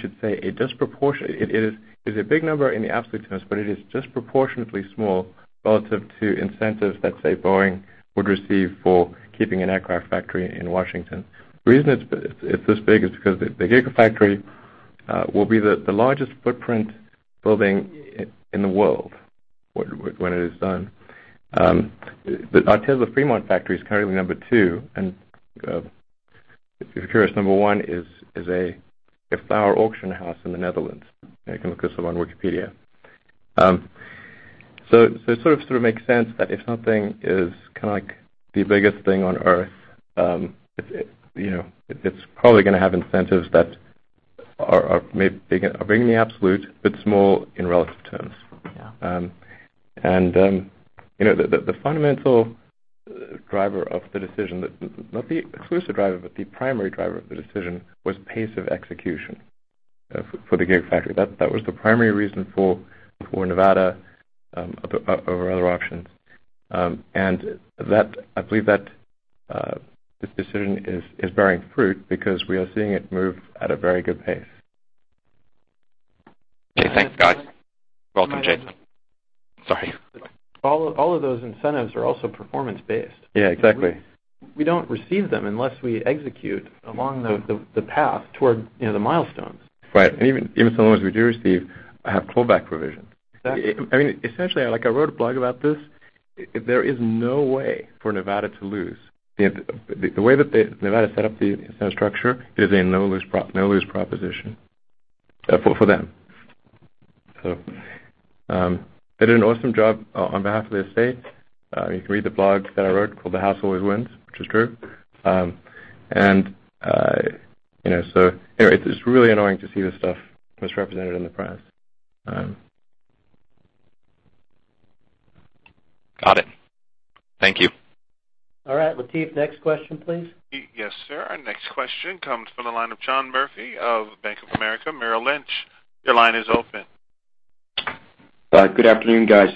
[SPEAKER 3] should say it is a big number in the absolute terms, but it is disproportionately small relative to incentives that, say, Boeing would receive for keeping an aircraft factory in Washington. The reason it's this big is because the Gigafactory will be the largest footprint building in the world when it is done. Our Tesla Fremont factory is currently number 2, and if you're curious, number 1 is a flower auction house in the Netherlands. You can look this up on Wikipedia. It sort of makes sense that if something is kind of like the biggest thing on Earth, it's probably going to have incentives that are big in the absolute, but small in relative terms.
[SPEAKER 8] Yeah.
[SPEAKER 3] The fundamental driver of the decision, not the exclusive driver, but the primary driver of the decision, was pace of execution for the Gigafactory. That was the primary reason for Nevada over other options. I believe that this decision is bearing fruit because we are seeing it move at a very good pace.
[SPEAKER 13] Okay, thanks, guys. Welcome, Jason. Sorry.
[SPEAKER 8] All of those incentives are also performance-based.
[SPEAKER 3] Yeah, exactly.
[SPEAKER 8] We don't receive them unless we execute along the path toward the milestones.
[SPEAKER 3] Right. Even some of the ones we do receive have fallback provisions.
[SPEAKER 8] Exactly.
[SPEAKER 3] Essentially, I wrote a blog about this. There is no way for Nevada to lose. The way that Nevada set up the incentive structure is a no-lose proposition for them. They did an awesome job on behalf of the state. You can read the blog that I wrote called "The House Always Wins," which is true. Anyway, it's just really annoying to see this stuff misrepresented in the press.
[SPEAKER 13] Got it. Thank you.
[SPEAKER 2] All right, Latif, next question, please.
[SPEAKER 1] Yes, sir. Our next question comes from the line of John Murphy of Bank of America Merrill Lynch. Your line is open.
[SPEAKER 14] Good afternoon, guys.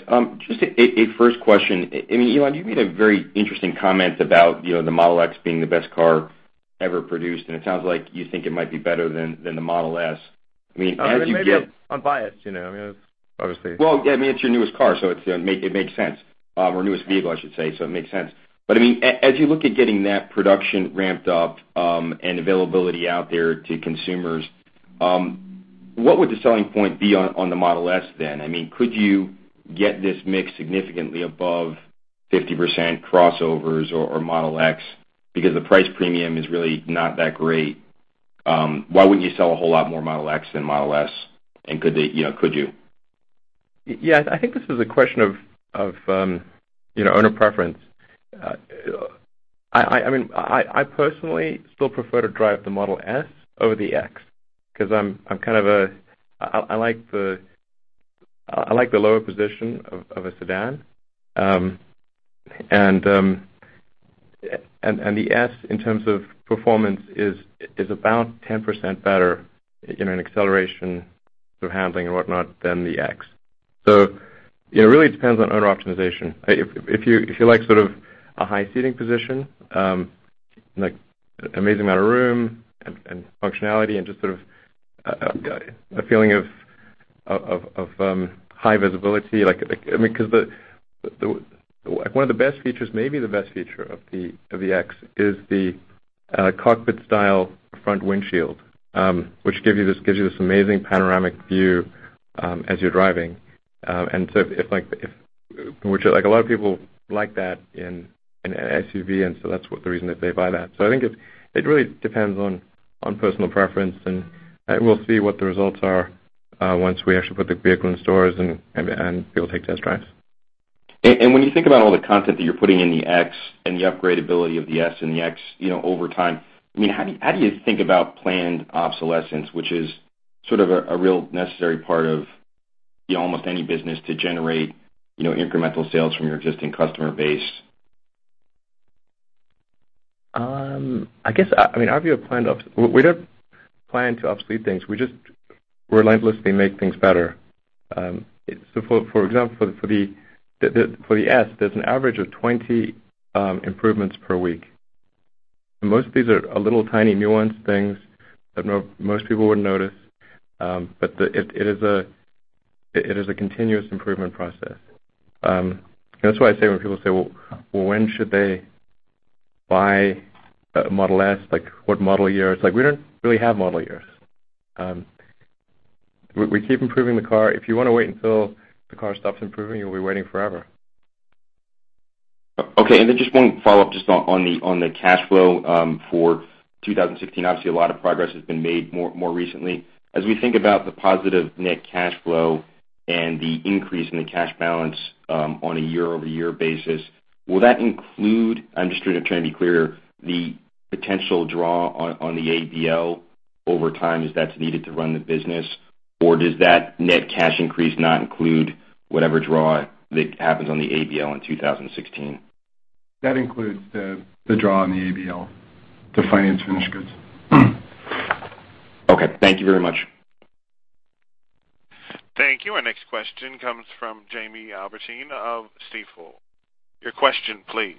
[SPEAKER 14] Just a first question. Elon, you made a very interesting comment about the Model X being the best car ever produced, it sounds like you think it might be better than the Model S. As you get
[SPEAKER 3] Maybe I'm biased, obviously.
[SPEAKER 14] Well, it's your newest car, it makes sense. Newest vehicle, I should say, it makes sense. As you look at getting that production ramped up and availability out there to consumers, what would the selling point be on the Model S then? Could you get this mix significantly above 50% crossovers or Model X, because the price premium is really not that great. Why wouldn't you sell a whole lot more Model X than Model S, could you?
[SPEAKER 3] Yes, I think this is a question of owner preference. I personally still prefer to drive the Model S over the X, because I like the lower position of a sedan. The S, in terms of performance, is about 10% better in acceleration, through handling and whatnot, than the X. It really depends on owner optimization. If you like a high seating position, an amazing amount of room, and functionality, and just a feeling of high visibility. Because one of the best features, maybe the best feature of the X, is the cockpit-style front windshield, which gives you this amazing panoramic view as you're driving. A lot of people like that in an SUV, that's the reason that they buy that. I think it really depends on personal preference, we'll see what the results are once we actually put the vehicle in stores and people take test drives.
[SPEAKER 14] When you think about all the content that you're putting in the X and the upgradability of the S and the X over time, how do you think about planned obsolescence, which is a real necessary part of almost any business to generate incremental sales from your existing customer base?
[SPEAKER 3] We don't plan to obsolete things. We just relentlessly make things better. For example, for the S, there's an average of 20 improvements per week. Most of these are little, tiny nuance things that most people wouldn't notice. It is a continuous improvement process. That's why when people say, "Well, when should they buy a Model S?" Like, what model year? We don't really have model years. We keep improving the car. If you want to wait until the car stops improving, you'll be waiting forever.
[SPEAKER 14] Just one follow-up just on the cash flow for 2016. Obviously, a lot of progress has been made more recently. As we think about the positive net cash flow and the increase in the cash balance on a year-over-year basis, will that include, I'm just trying to be clearer, the potential draw on the ABL over time as that's needed to run the business? Does that net cash increase not include whatever draw that happens on the ABL in 2016?
[SPEAKER 4] That includes the draw on the ABL to finance finished goods.
[SPEAKER 14] Okay. Thank you very much.
[SPEAKER 1] Thank you. Our next question comes from Jamie Albertine of Stifel. Your question please.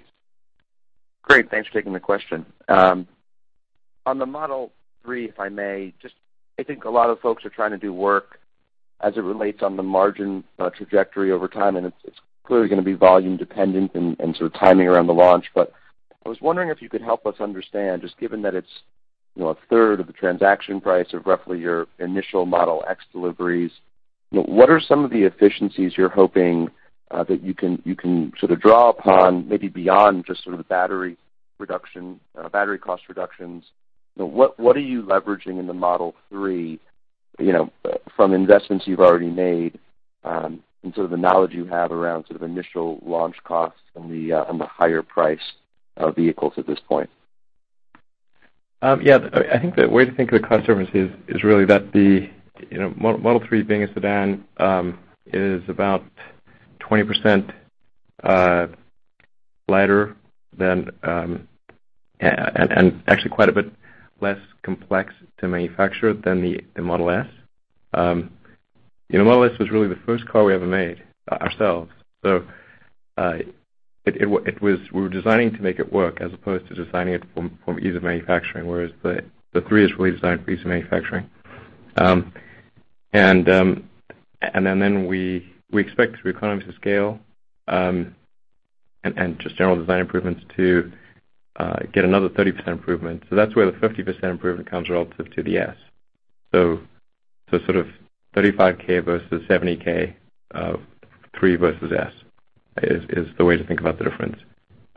[SPEAKER 15] Great. Thanks for taking the question. On the Model 3, if I may, just I think a lot of folks are trying to do work as it relates on the margin trajectory over time, and it's clearly going to be volume dependent and timing around the launch. I was wondering if you could help us understand, just given that it's a third of the transaction price of roughly your initial Model X deliveries, what are some of the efficiencies you're hoping that you can draw upon, maybe beyond just battery cost reductions? What are you leveraging in the Model 3 from investments you've already made and the knowledge you have around initial launch costs and the higher priced vehicles at this point?
[SPEAKER 3] Yeah. I think the way to think of the cost services is really that the Model 3 being a sedan, is about 20% lighter and actually quite a bit less complex to manufacture than the S. The S was really the first car we ever made ourselves. So we were designing to make it work as opposed to designing it from ease of manufacturing, whereas the 3 is really designed for ease of manufacturing. Then we expect through economies of scale and just general design improvements to get another 30% improvement. So that's where the 50% improvement comes relative to the S. So, $35K versus $70K, 3 versus S is the way to think about the difference.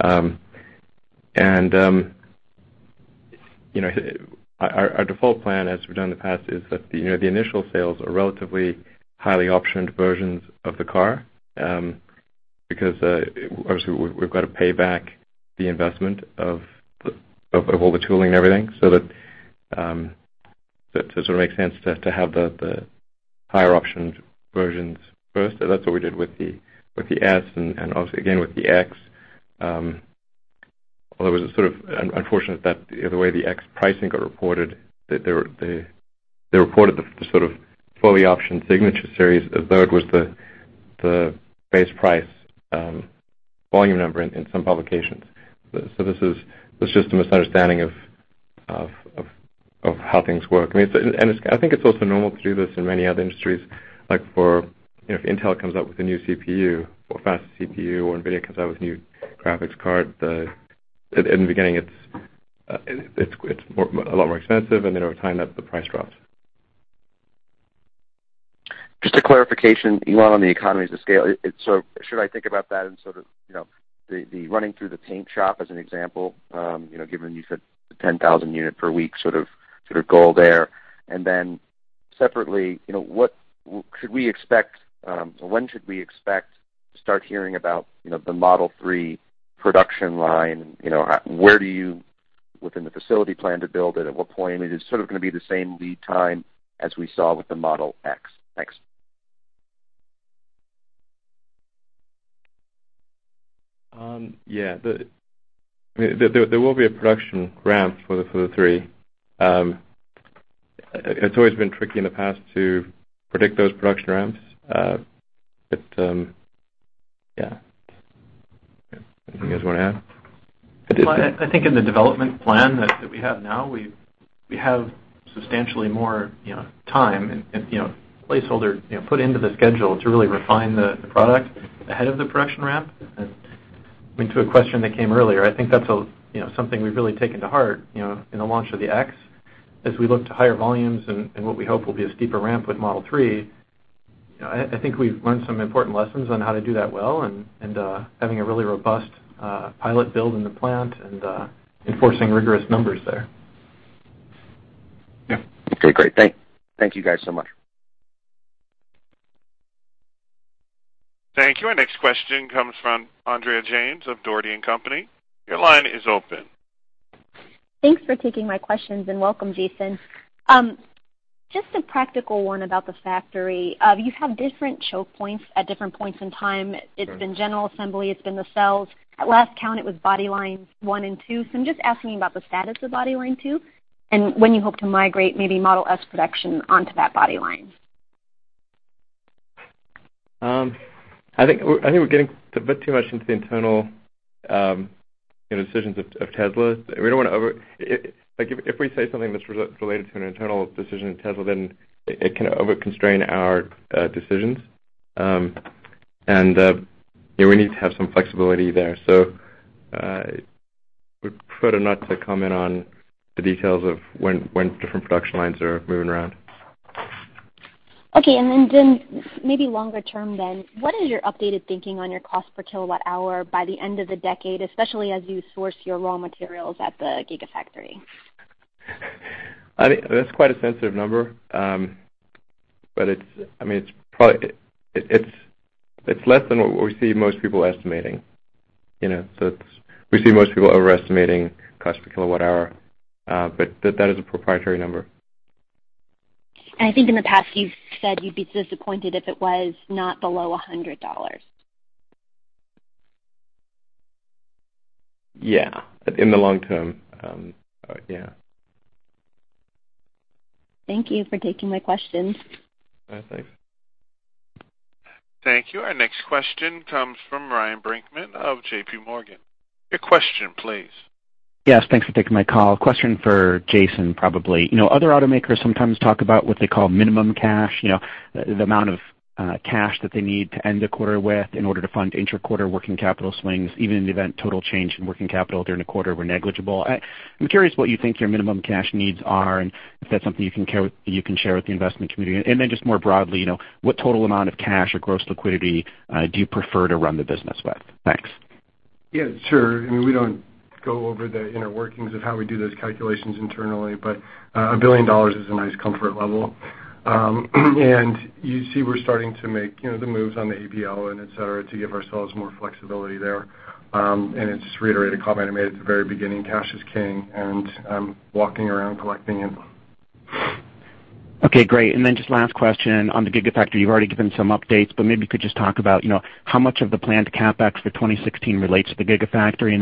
[SPEAKER 3] And our default plan, as we've done in the past, is that the initial sales are relatively highly optioned versions of the car, because obviously we've got to pay back the investment of all the tooling and everything, so that sort of makes sense to have the higher optioned versions first. That's what we did with the S and obviously, again, with the X. Although it was sort of unfortunate that the way the X pricing got reported, they reported the sort of fully optioned Signature Series as though it was the base price volume number in some publications. So this was just a misunderstanding of how things work. And I think it's also normal to do this in many other industries. Like for if Intel comes out with a new CPU or faster CPU, or NVIDIA comes out with a new graphics card, in the beginning it's a lot more expensive, and then over time the price drops.
[SPEAKER 15] Just a clarification, Elon, on the economies of scale. Should I think about that in the running through the paint shop as an example, given you said the 10,000 unit per week goal there? And then separately, when should we expect to start hearing about the Model 3 production line? Where do you, within the facility plan to build it? At what point? Is it going to be the same lead time as we saw with the Model X? Thanks.
[SPEAKER 3] There will be a production ramp for the Model 3. It's always been tricky in the past to predict those production ramps. Anything you guys want to add?
[SPEAKER 4] Well, I think in the development plan that we have now, we have substantially more time and placeholder put into the schedule to really refine the product ahead of the production ramp. To a question that came earlier, I think that's something we've really taken to heart in the launch of the Model X. As we look to higher volumes and what we hope will be a steeper ramp with Model 3, I think we've learned some important lessons on how to do that well and having a really robust pilot build in the plant and enforcing rigorous numbers there.
[SPEAKER 15] Okay, great. Thank you guys so much.
[SPEAKER 1] Thank you. Our next question comes from Andrea James of Dougherty & Company. Your line is open.
[SPEAKER 16] Thanks for taking my questions and welcome, Jason. Just a practical one about the factory. You have different choke points at different points in time. It's been general assembly, it's been the cells. At last count, it was body lines 1 and 2. I'm just asking about the status of body line 2 and when you hope to migrate maybe Model S production onto that body line.
[SPEAKER 3] I think we're getting a bit too much into the internal decisions of Tesla. If we say something that's related to an internal decision at Tesla, then it can overconstrain our decisions. We need to have some flexibility there. We prefer not to comment on the details of when different production lines are moving around.
[SPEAKER 16] Okay. Maybe longer term then, what is your updated thinking on your cost per kilowatt hour by the end of the decade, especially as you source your raw materials at the Gigafactory?
[SPEAKER 3] That's quite a sensitive number. It's less than what we see most people estimating. We see most people overestimating cost per kilowatt hour. That is a proprietary number.
[SPEAKER 16] I think in the past you've said you'd be disappointed if it was not below $100.
[SPEAKER 3] Yeah. In the long term. Yeah.
[SPEAKER 16] Thank you for taking my questions.
[SPEAKER 3] All right, thanks.
[SPEAKER 1] Thank you. Our next question comes from Ryan Brinkman of J.P. Morgan. Your question, please.
[SPEAKER 17] Yes, thanks for taking my call. Question for Jason, probably. Other automakers sometimes talk about what they call minimum cash, the amount of cash that they need to end a quarter with in order to fund inter-quarter working capital swings, even in the event total change in working capital during the quarter were negligible. I'm curious what you think your minimum cash needs are, and if that's something you can share with the investment community. Just more broadly, what total amount of cash or gross liquidity do you prefer to run the business with? Thanks.
[SPEAKER 4] Yeah, sure. We don't go over the inner workings of how we do those calculations internally, but $1 billion is a nice comfort level. You see we're starting to make the moves on the ABL and et cetera to give ourselves more flexibility there. To just reiterate a comment I made at the very beginning, cash is king, and I'm walking around collecting it.
[SPEAKER 17] Okay, great. Just last question on the Gigafactory. You've already given some updates, but maybe you could just talk about how much of the planned CapEx for 2016 relates to the Gigafactory?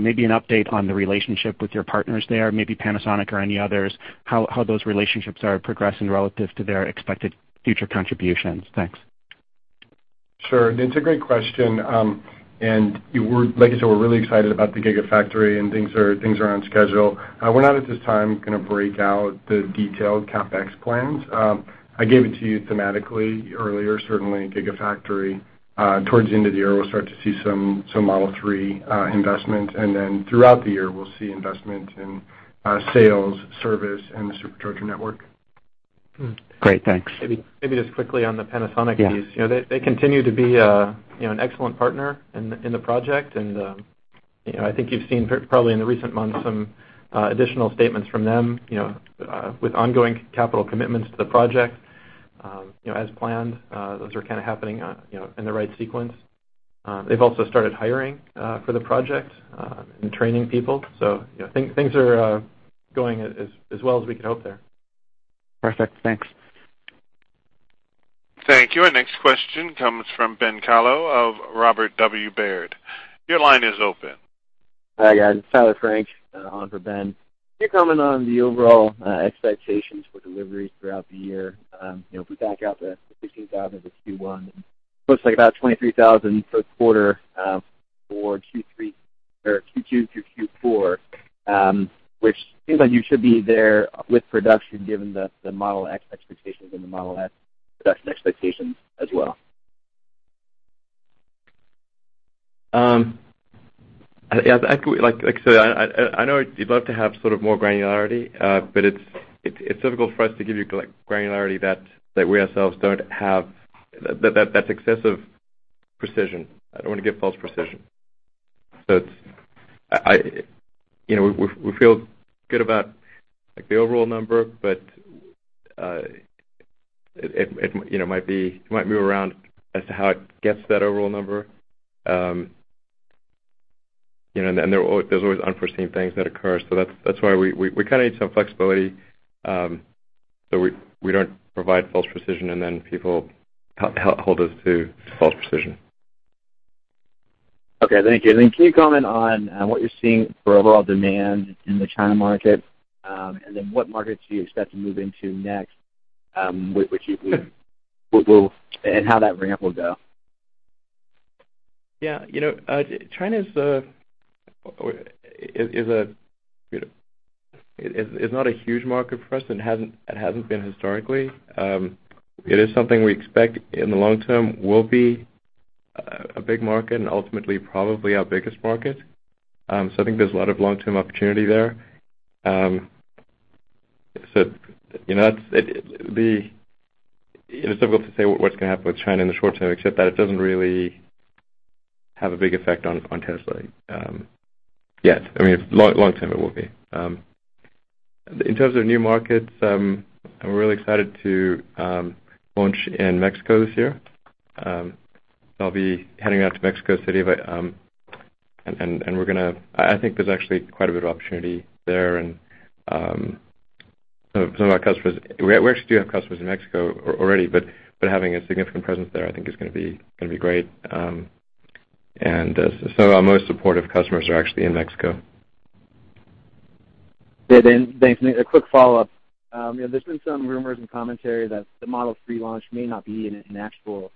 [SPEAKER 17] Maybe an update on the relationship with your partners there, maybe Panasonic or any others, how those relationships are progressing relative to their expected future contributions. Thanks.
[SPEAKER 4] Sure. It's a great question. Like I said, we're really excited about the Gigafactory, and things are on schedule. We're not at this time going to break out the detailed CapEx plans. I gave it to you thematically earlier. Certainly Gigafactory towards the end of the year, we'll start to see some Model 3 investment, and then throughout the year, we'll see investment in sales, service, and the Supercharger network.
[SPEAKER 17] Great. Thanks.
[SPEAKER 3] Maybe just quickly on the Panasonic piece.
[SPEAKER 17] Yeah.
[SPEAKER 3] They continue to be an excellent partner in the project, I think you've seen probably in the recent months some additional statements from them, with ongoing capital commitments to the project, as planned. Those are happening in the right sequence. They've also started hiring for the project and training people. Things are going as well as we could hope there.
[SPEAKER 17] Perfect. Thanks.
[SPEAKER 1] Thank you. Our next question comes from Ben Kallo of Robert W. Baird. Your line is open.
[SPEAKER 18] Hi, guys. Tyler Frank on for Ben. Can you comment on the overall expectations for deliveries throughout the year? If we back out the 16,000 of the Q1, it looks like about 23,000 first quarter for Q2 through Q4, which seems like you should be there with production given the Model X expectations and the Model S production expectations as well.
[SPEAKER 3] Like I said, I know you'd love to have more granularity, but it's difficult for us to give you granularity that we ourselves don't have. That's excessive precision. I don't want to give false precision. We feel good about the overall number, but it might move around as to how it gets to that overall number. There's always unforeseen things that occur, so that's why we need some flexibility, so we don't provide false precision and then people hold us to false precision.
[SPEAKER 18] Okay. Thank you. Can you comment on what you're seeing for overall demand in the China market, what markets do you expect to move into next, and how that ramp will go?
[SPEAKER 3] Yeah. China is not a huge market for us and it hasn't been historically. It is something we expect in the long term will be a big market and ultimately probably our biggest market. I think there's a lot of long-term opportunity there. It's difficult to say what's going to happen with China in the short term, except that it doesn't really have a big effect on Tesla yet. Long term it will be. In terms of new markets, I'm really excited to launch in Mexico this year. I'll be heading out to Mexico City. I think there's actually quite a bit of opportunity there. We actually do have customers in Mexico already, but having a significant presence there I think is going to be great. Some of our most supportive customers are actually in Mexico.
[SPEAKER 18] Good. Thanks. A quick follow-up. There's been some rumors and commentary that the Model 3 launch may not be an actual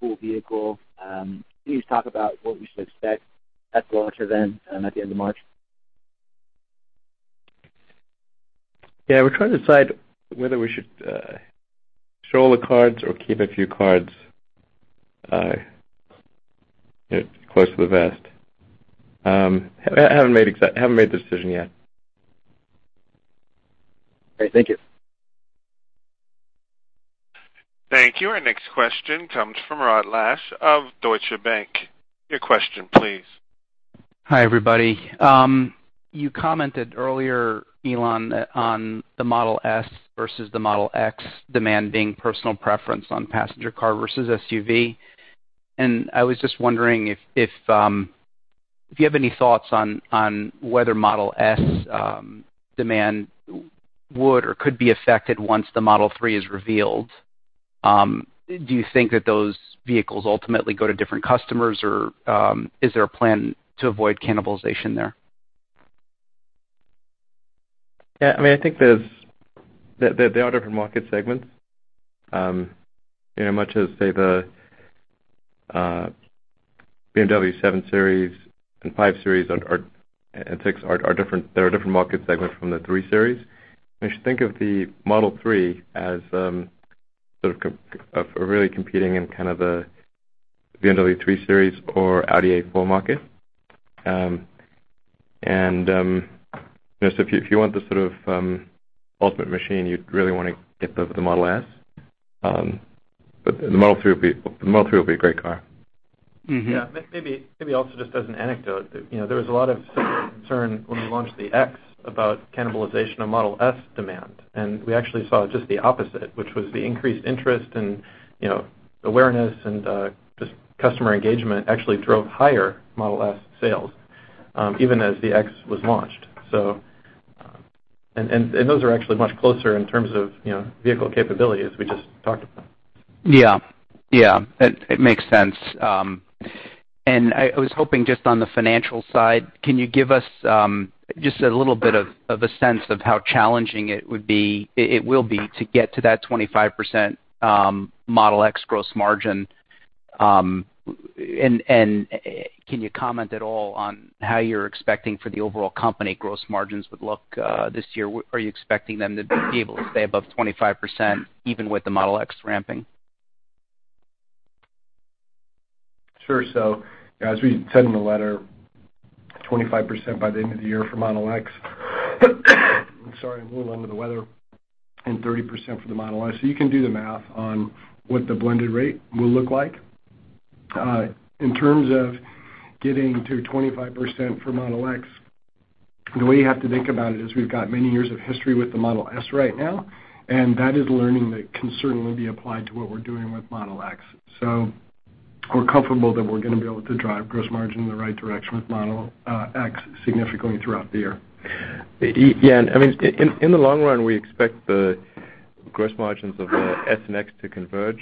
[SPEAKER 18] full vehicle. Can you just talk about what we should expect at the launch event at the end of March?
[SPEAKER 3] Yeah. We're trying to decide whether we should show all the cards or keep a few cards close to the vest. Haven't made the decision yet.
[SPEAKER 18] Great. Thank you.
[SPEAKER 1] Thank you. Our next question comes from Rod Lache of Deutsche Bank. Your question please.
[SPEAKER 19] Hi, everybody. You commented earlier, Elon, on the Model S versus the Model X demand being personal preference on passenger car versus SUV. I was just wondering if you have any thoughts on whether Model S demand would or could be affected once the Model 3 is revealed. Do you think that those vehicles ultimately go to different customers, or is there a plan to avoid cannibalization there?
[SPEAKER 3] Yeah. I think they are different market segments. Much as, say, the BMW 7 Series and 5 Series and 6 are different market segments from the 3 Series. You should think of the Model 3 as really competing in the BMW 3 Series or Audi A4 market. If you want the ultimate machine, you'd really want to get the Model S. The Model 3 will be a great car.
[SPEAKER 4] Yeah. Maybe also just as an anecdote, there was a lot of similar concern when we launched the Model X about cannibalization of Model S demand, and we actually saw just the opposite, which was the increased interest and awareness and just customer engagement actually drove higher Model S sales, even as the Model X was launched. Those are actually much closer in terms of vehicle capability as we just talked about.
[SPEAKER 19] Yeah. It makes sense. I was hoping just on the financial side, can you give us just a little bit of a sense of how challenging it will be to get to that 25% Model X gross margin? Can you comment at all on how you're expecting for the overall company gross margins would look this year? Are you expecting them to be able to stay above 25% even with the Model X ramping?
[SPEAKER 4] Sure. As we said in the letter, 25% by the end of the year for Model X. I'm sorry, I'm a little under the weather. 30% for the Model S. You can do the math on what the blended rate will look like. In terms of getting to 25% for Model X, the way you have to think about it is we've got many years of history with the Model S right now, and that is learning that can certainly be applied to what we're doing with Model X. We're comfortable that we're going to be able to drive gross margin in the right direction with Model X significantly throughout the year.
[SPEAKER 3] Yeah. In the long run, we expect the gross margins of the S and X to converge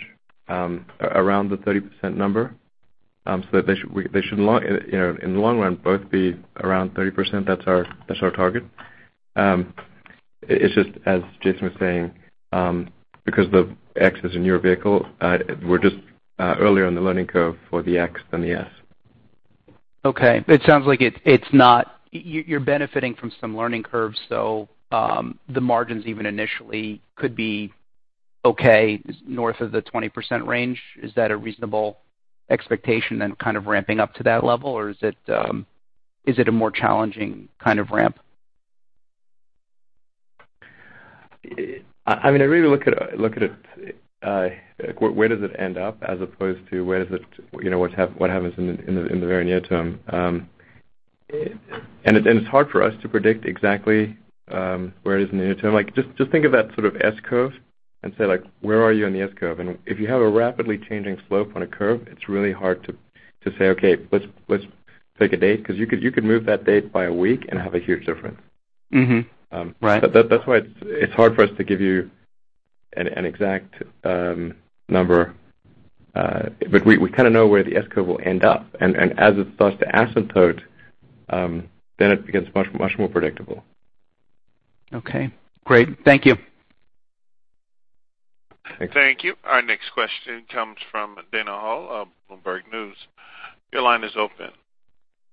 [SPEAKER 3] around the 30% number. They should, in the long run, both be around 30%. That's our target. It's just as Jason was saying, because the X is a newer vehicle, we're just earlier on the learning curve for the X than the S.
[SPEAKER 19] It sounds like you're benefiting from some learning curves, the margins even initially could be. North of the 20% range, is that a reasonable expectation, ramping up to that level? Is it a more challenging kind of ramp?
[SPEAKER 3] I really look at it, where does it end up, as opposed to what happens in the very near term. It's hard for us to predict exactly where it is in the near term. Just think of that S-curve and say, where are you on the S-curve? If you have a rapidly changing slope on a curve, it's really hard to say, let's take a date, because you could move that date by a week and have a huge difference.
[SPEAKER 19] Right.
[SPEAKER 3] That's why it's hard for us to give you an exact number. We kind of know where the S-curve will end up, as it starts to asymptote, it gets much more predictable.
[SPEAKER 19] Okay, great. Thank you.
[SPEAKER 1] Thank you. Our next question comes from Dana Hull of Bloomberg News. Your line is open.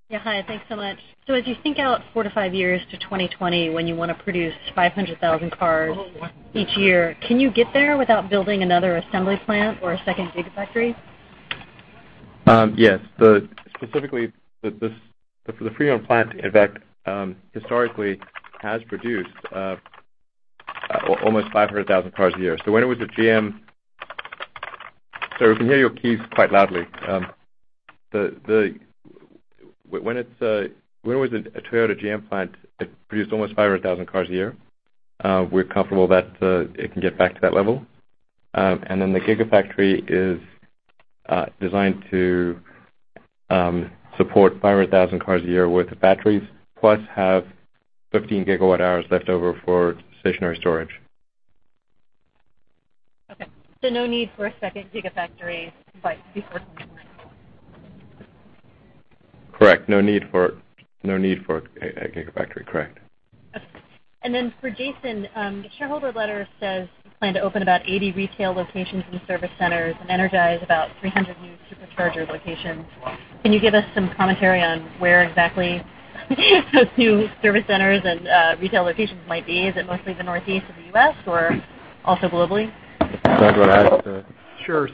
[SPEAKER 20] Yeah, hi. Thanks so much. As you think out four to five years to 2020 when you want to produce 500,000 cars each year, can you get there without building another assembly plant or a second Gigafactory?
[SPEAKER 3] Yes. Specifically, the Fremont plant, in fact, historically has produced almost 500,000 cars a year. Sorry, we can hear your keys quite loudly. When it was a Toyota GM plant, it produced almost 500,000 cars a year. We're comfortable that it can get back to that level. The Gigafactory is designed to support 500,000 cars a year worth of batteries, plus have 15 gigawatt hours left over for stationary storage.
[SPEAKER 20] Okay. No need for a second Gigafactory.
[SPEAKER 3] Correct. No need for a Gigafactory. Correct.
[SPEAKER 20] Okay. For Jason, the shareholder letter says you plan to open about 80 retail locations and service centers and energize about 300 new Supercharger locations. Can you give us some commentary on where exactly those new service centers and retail locations might be? Is it mostly the Northeast of the U.S. or also globally?
[SPEAKER 3] That's what I said.
[SPEAKER 7] Sure.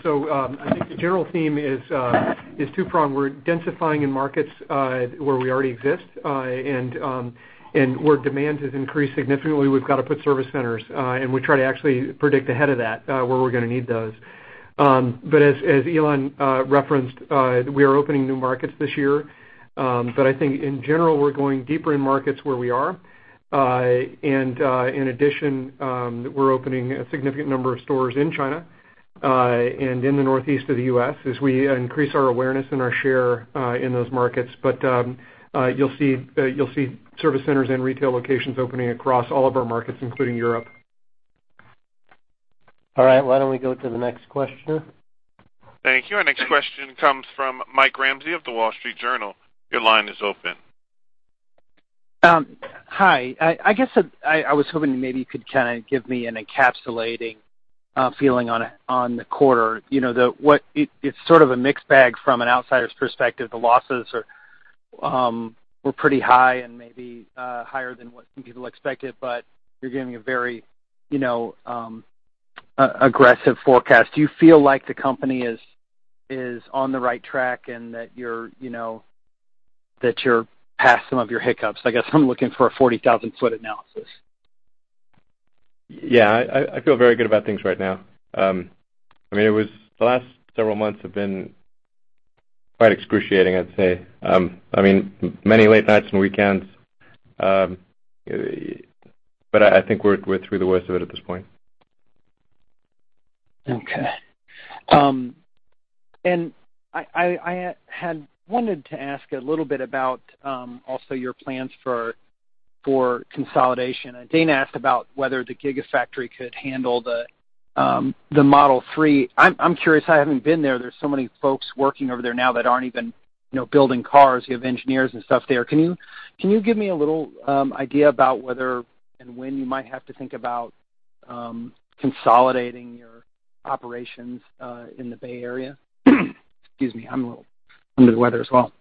[SPEAKER 7] I think the general theme is two-pronged. We're densifying in markets where we already exist, and where demand has increased significantly, we've got to put service centers. We try to actually predict ahead of that, where we're going to need those. As Elon referenced, we are opening new markets this year. I think in general, we're going deeper in markets where we are. In addition, we're opening a significant number of stores in China and in the Northeast of the U.S. as we increase our awareness and our share in those markets. You'll see service centers and retail locations opening across all of our markets, including Europe.
[SPEAKER 2] All right. Why don't we go to the next question?
[SPEAKER 1] Thank you. Our next question comes from Mike Ramsey of The Wall Street Journal. Your line is open.
[SPEAKER 21] Hi. I guess I was hoping maybe you could give me an encapsulating feeling on the quarter. It's sort of a mixed bag from an outsider's perspective. The losses were pretty high and maybe higher than what some people expected, you're giving a very aggressive forecast. Do you feel like the company is on the right track and that you're past some of your hiccups? I guess I'm looking for a 40,000-foot analysis.
[SPEAKER 3] Yeah, I feel very good about things right now. The last several months have been quite excruciating, I'd say. Many late nights and weekends. I think we're through the worst of it at this point.
[SPEAKER 21] Okay. I had wanted to ask a little bit about also your plans for consolidation. Dana asked about whether the Gigafactory could handle the Model 3. I'm curious, I haven't been there. There's so many folks working over there now that aren't even building cars. You have engineers and stuff there. Can you give me a little idea about whether and when you might have to think about consolidating your operations in the Bay Area? Excuse me, I'm a little under the weather as well.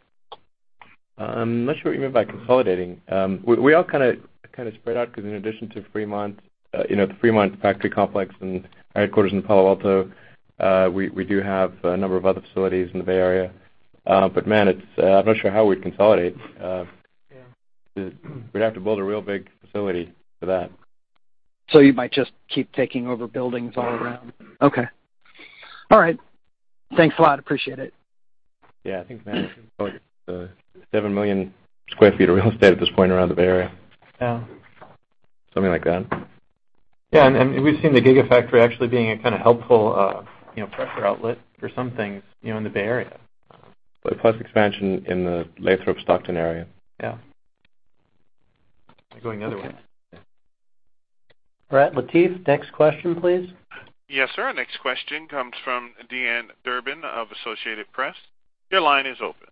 [SPEAKER 3] I'm not sure what you mean by consolidating. We are kind of spread out because in addition to Fremont, the Fremont factory complex and our headquarters in Palo Alto, we do have a number of other facilities in the Bay Area. Man, I'm not sure how we'd consolidate.
[SPEAKER 21] Yeah.
[SPEAKER 3] We'd have to build a real big facility for that.
[SPEAKER 21] You might just keep taking over buildings all around. Okay. All right. Thanks a lot. Appreciate it.
[SPEAKER 3] Yeah, I think, man, it's probably 7 million sq ft of real estate at this point around the Bay Area.
[SPEAKER 21] Yeah.
[SPEAKER 3] Something like that.
[SPEAKER 8] Yeah. We've seen the Gigafactory actually being a helpful pressure outlet for some things in the Bay Area.
[SPEAKER 3] Plus expansion in the Lathrop Stockton area.
[SPEAKER 8] Yeah. We're going the other way.
[SPEAKER 2] Alright, Latif, next question, please.
[SPEAKER 1] Yes, sir. Next question comes from Dee-Ann Durbin of Associated Press. Your line is open.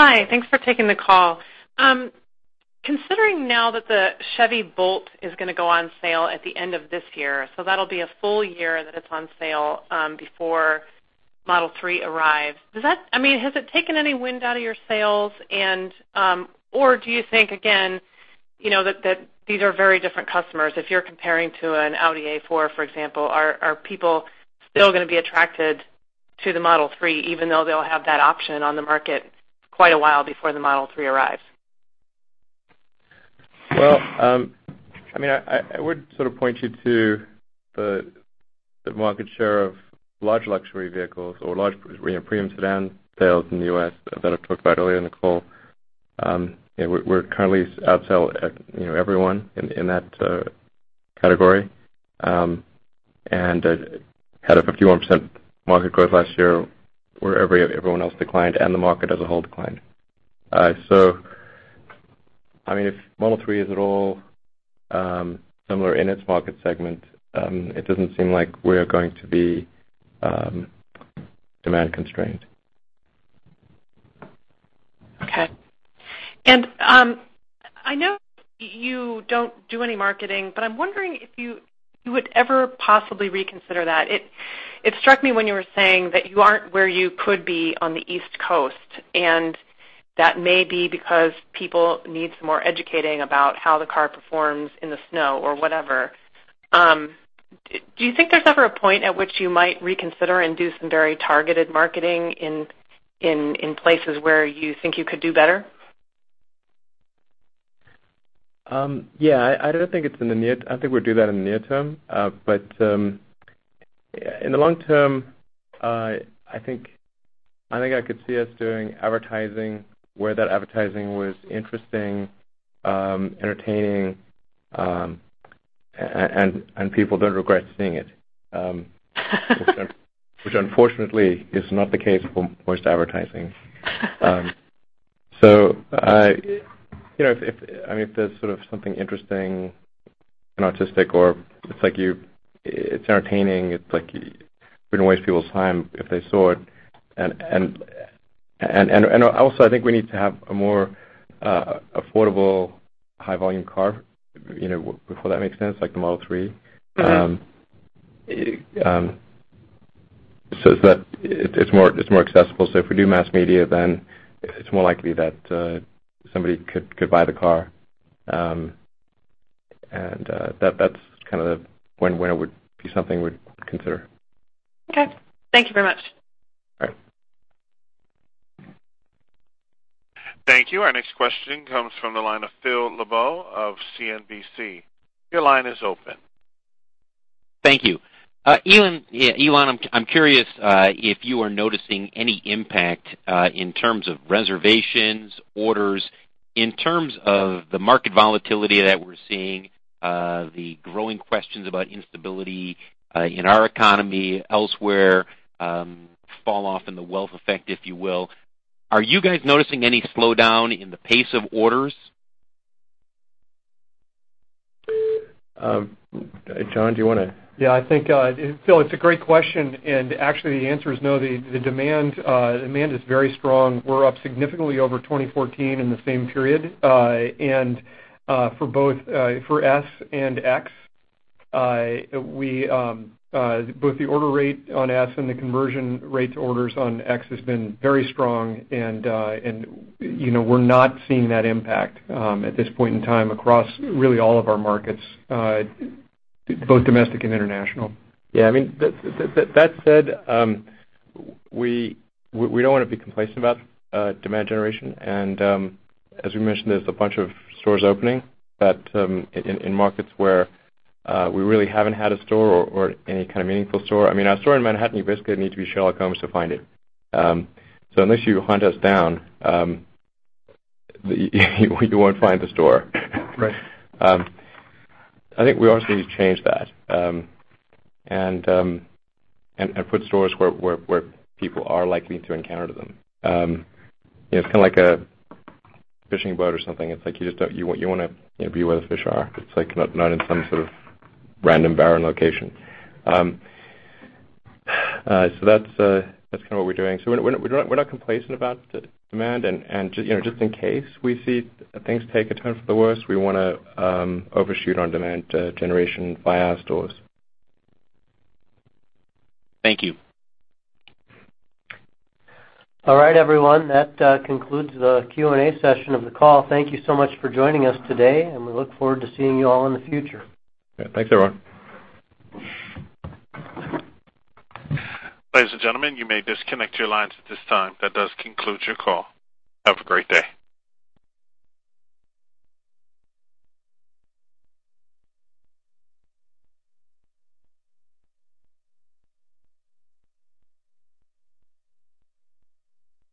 [SPEAKER 22] Hi. Thanks for taking the call. Considering now that the Chevy Volt is going to go on sale at the end of this year, so that'll be a full year that it's on sale before Model 3 arrive. Has it taken any wind out of your sails, or do you think, again, that these are very different customers? If you're comparing to an Audi A4, for example, are people still going to be attracted to the Model 3, even though they'll have that option on the market quite a while before the Model 3 arrives?
[SPEAKER 3] Well, I would point you to the market share of large luxury vehicles or large premium sedan sales in the U.S. that I talked about earlier in the call. We currently outsell everyone in that category and had a 51% market growth last year, where everyone else declined and the market as a whole declined. If Model 3 is at all similar in its market segment, it doesn't seem like we're going to be demand-constrained.
[SPEAKER 22] Okay. I know you don't do any marketing, but I'm wondering if you would ever possibly reconsider that. It struck me when you were saying that you aren't where you could be on the East Coast, and that may be because people need some more educating about how the car performs in the snow or whatever. Do you think there's ever a point at which you might reconsider and do some very targeted marketing in places where you think you could do better?
[SPEAKER 3] Yeah. I don't think we'd do that in the near term. In the long term, I think I could see us doing advertising where that advertising was interesting, entertaining, and people don't regret seeing it. Which, unfortunately, is not the case for most advertising. If there's something interesting and artistic, or it's entertaining, it's like we don't waste people's time if they saw it. Also, I think we need to have a more affordable high-volume car before that makes sense, like the Model 3. It's more accessible. If we do mass media, then it's more likely that somebody could buy the car. That's when it would be something we'd consider.
[SPEAKER 22] Okay. Thank you very much.
[SPEAKER 3] All right.
[SPEAKER 1] Thank you. Our next question comes from the line of Phil LeBeau of CNBC. Your line is open.
[SPEAKER 23] Thank you. Elon, I'm curious if you are noticing any impact in terms of reservations, orders, in terms of the market volatility that we're seeing, the growing questions about instability in our economy, elsewhere, fall-off in the wealth effect, if you will. Are you guys noticing any slowdown in the pace of orders?
[SPEAKER 3] Jon, do you want to?
[SPEAKER 7] Yeah. Phil, it's a great question. Actually, the answer is no. The demand is very strong. We're up significantly over 2014 in the same period for S and X. Both the order rate on S and the conversion rate to orders on X has been very strong. We're not seeing that impact at this point in time across really all of our markets, both domestic and international.
[SPEAKER 3] Yeah. That said, we don't want to be complacent about demand generation. As we mentioned, there's a bunch of stores opening in markets where we really haven't had a store or any kind of meaningful store. Our store in Manhattan, you basically need to be Sherlock Holmes to find it. Unless you hunt us down you won't find the store.
[SPEAKER 7] Right.
[SPEAKER 3] I think we also need to change that and put stores where people are likely to encounter them. It's kind of like a fishing boat or something. It's like you want to be where the fish are. It's like not in some sort of random barren location. That's kind of what we're doing. We're not complacent about demand, and just in case we see things take a turn for the worst, we want to overshoot on demand generation via our stores.
[SPEAKER 23] Thank you.
[SPEAKER 2] All right, everyone. That concludes the Q&A session of the call. Thank you so much for joining us today, and we look forward to seeing you all in the future.
[SPEAKER 3] Yeah. Thanks, everyone.
[SPEAKER 1] Ladies and gentlemen, you may disconnect your lines at this time. That does conclude your call. Have a great day.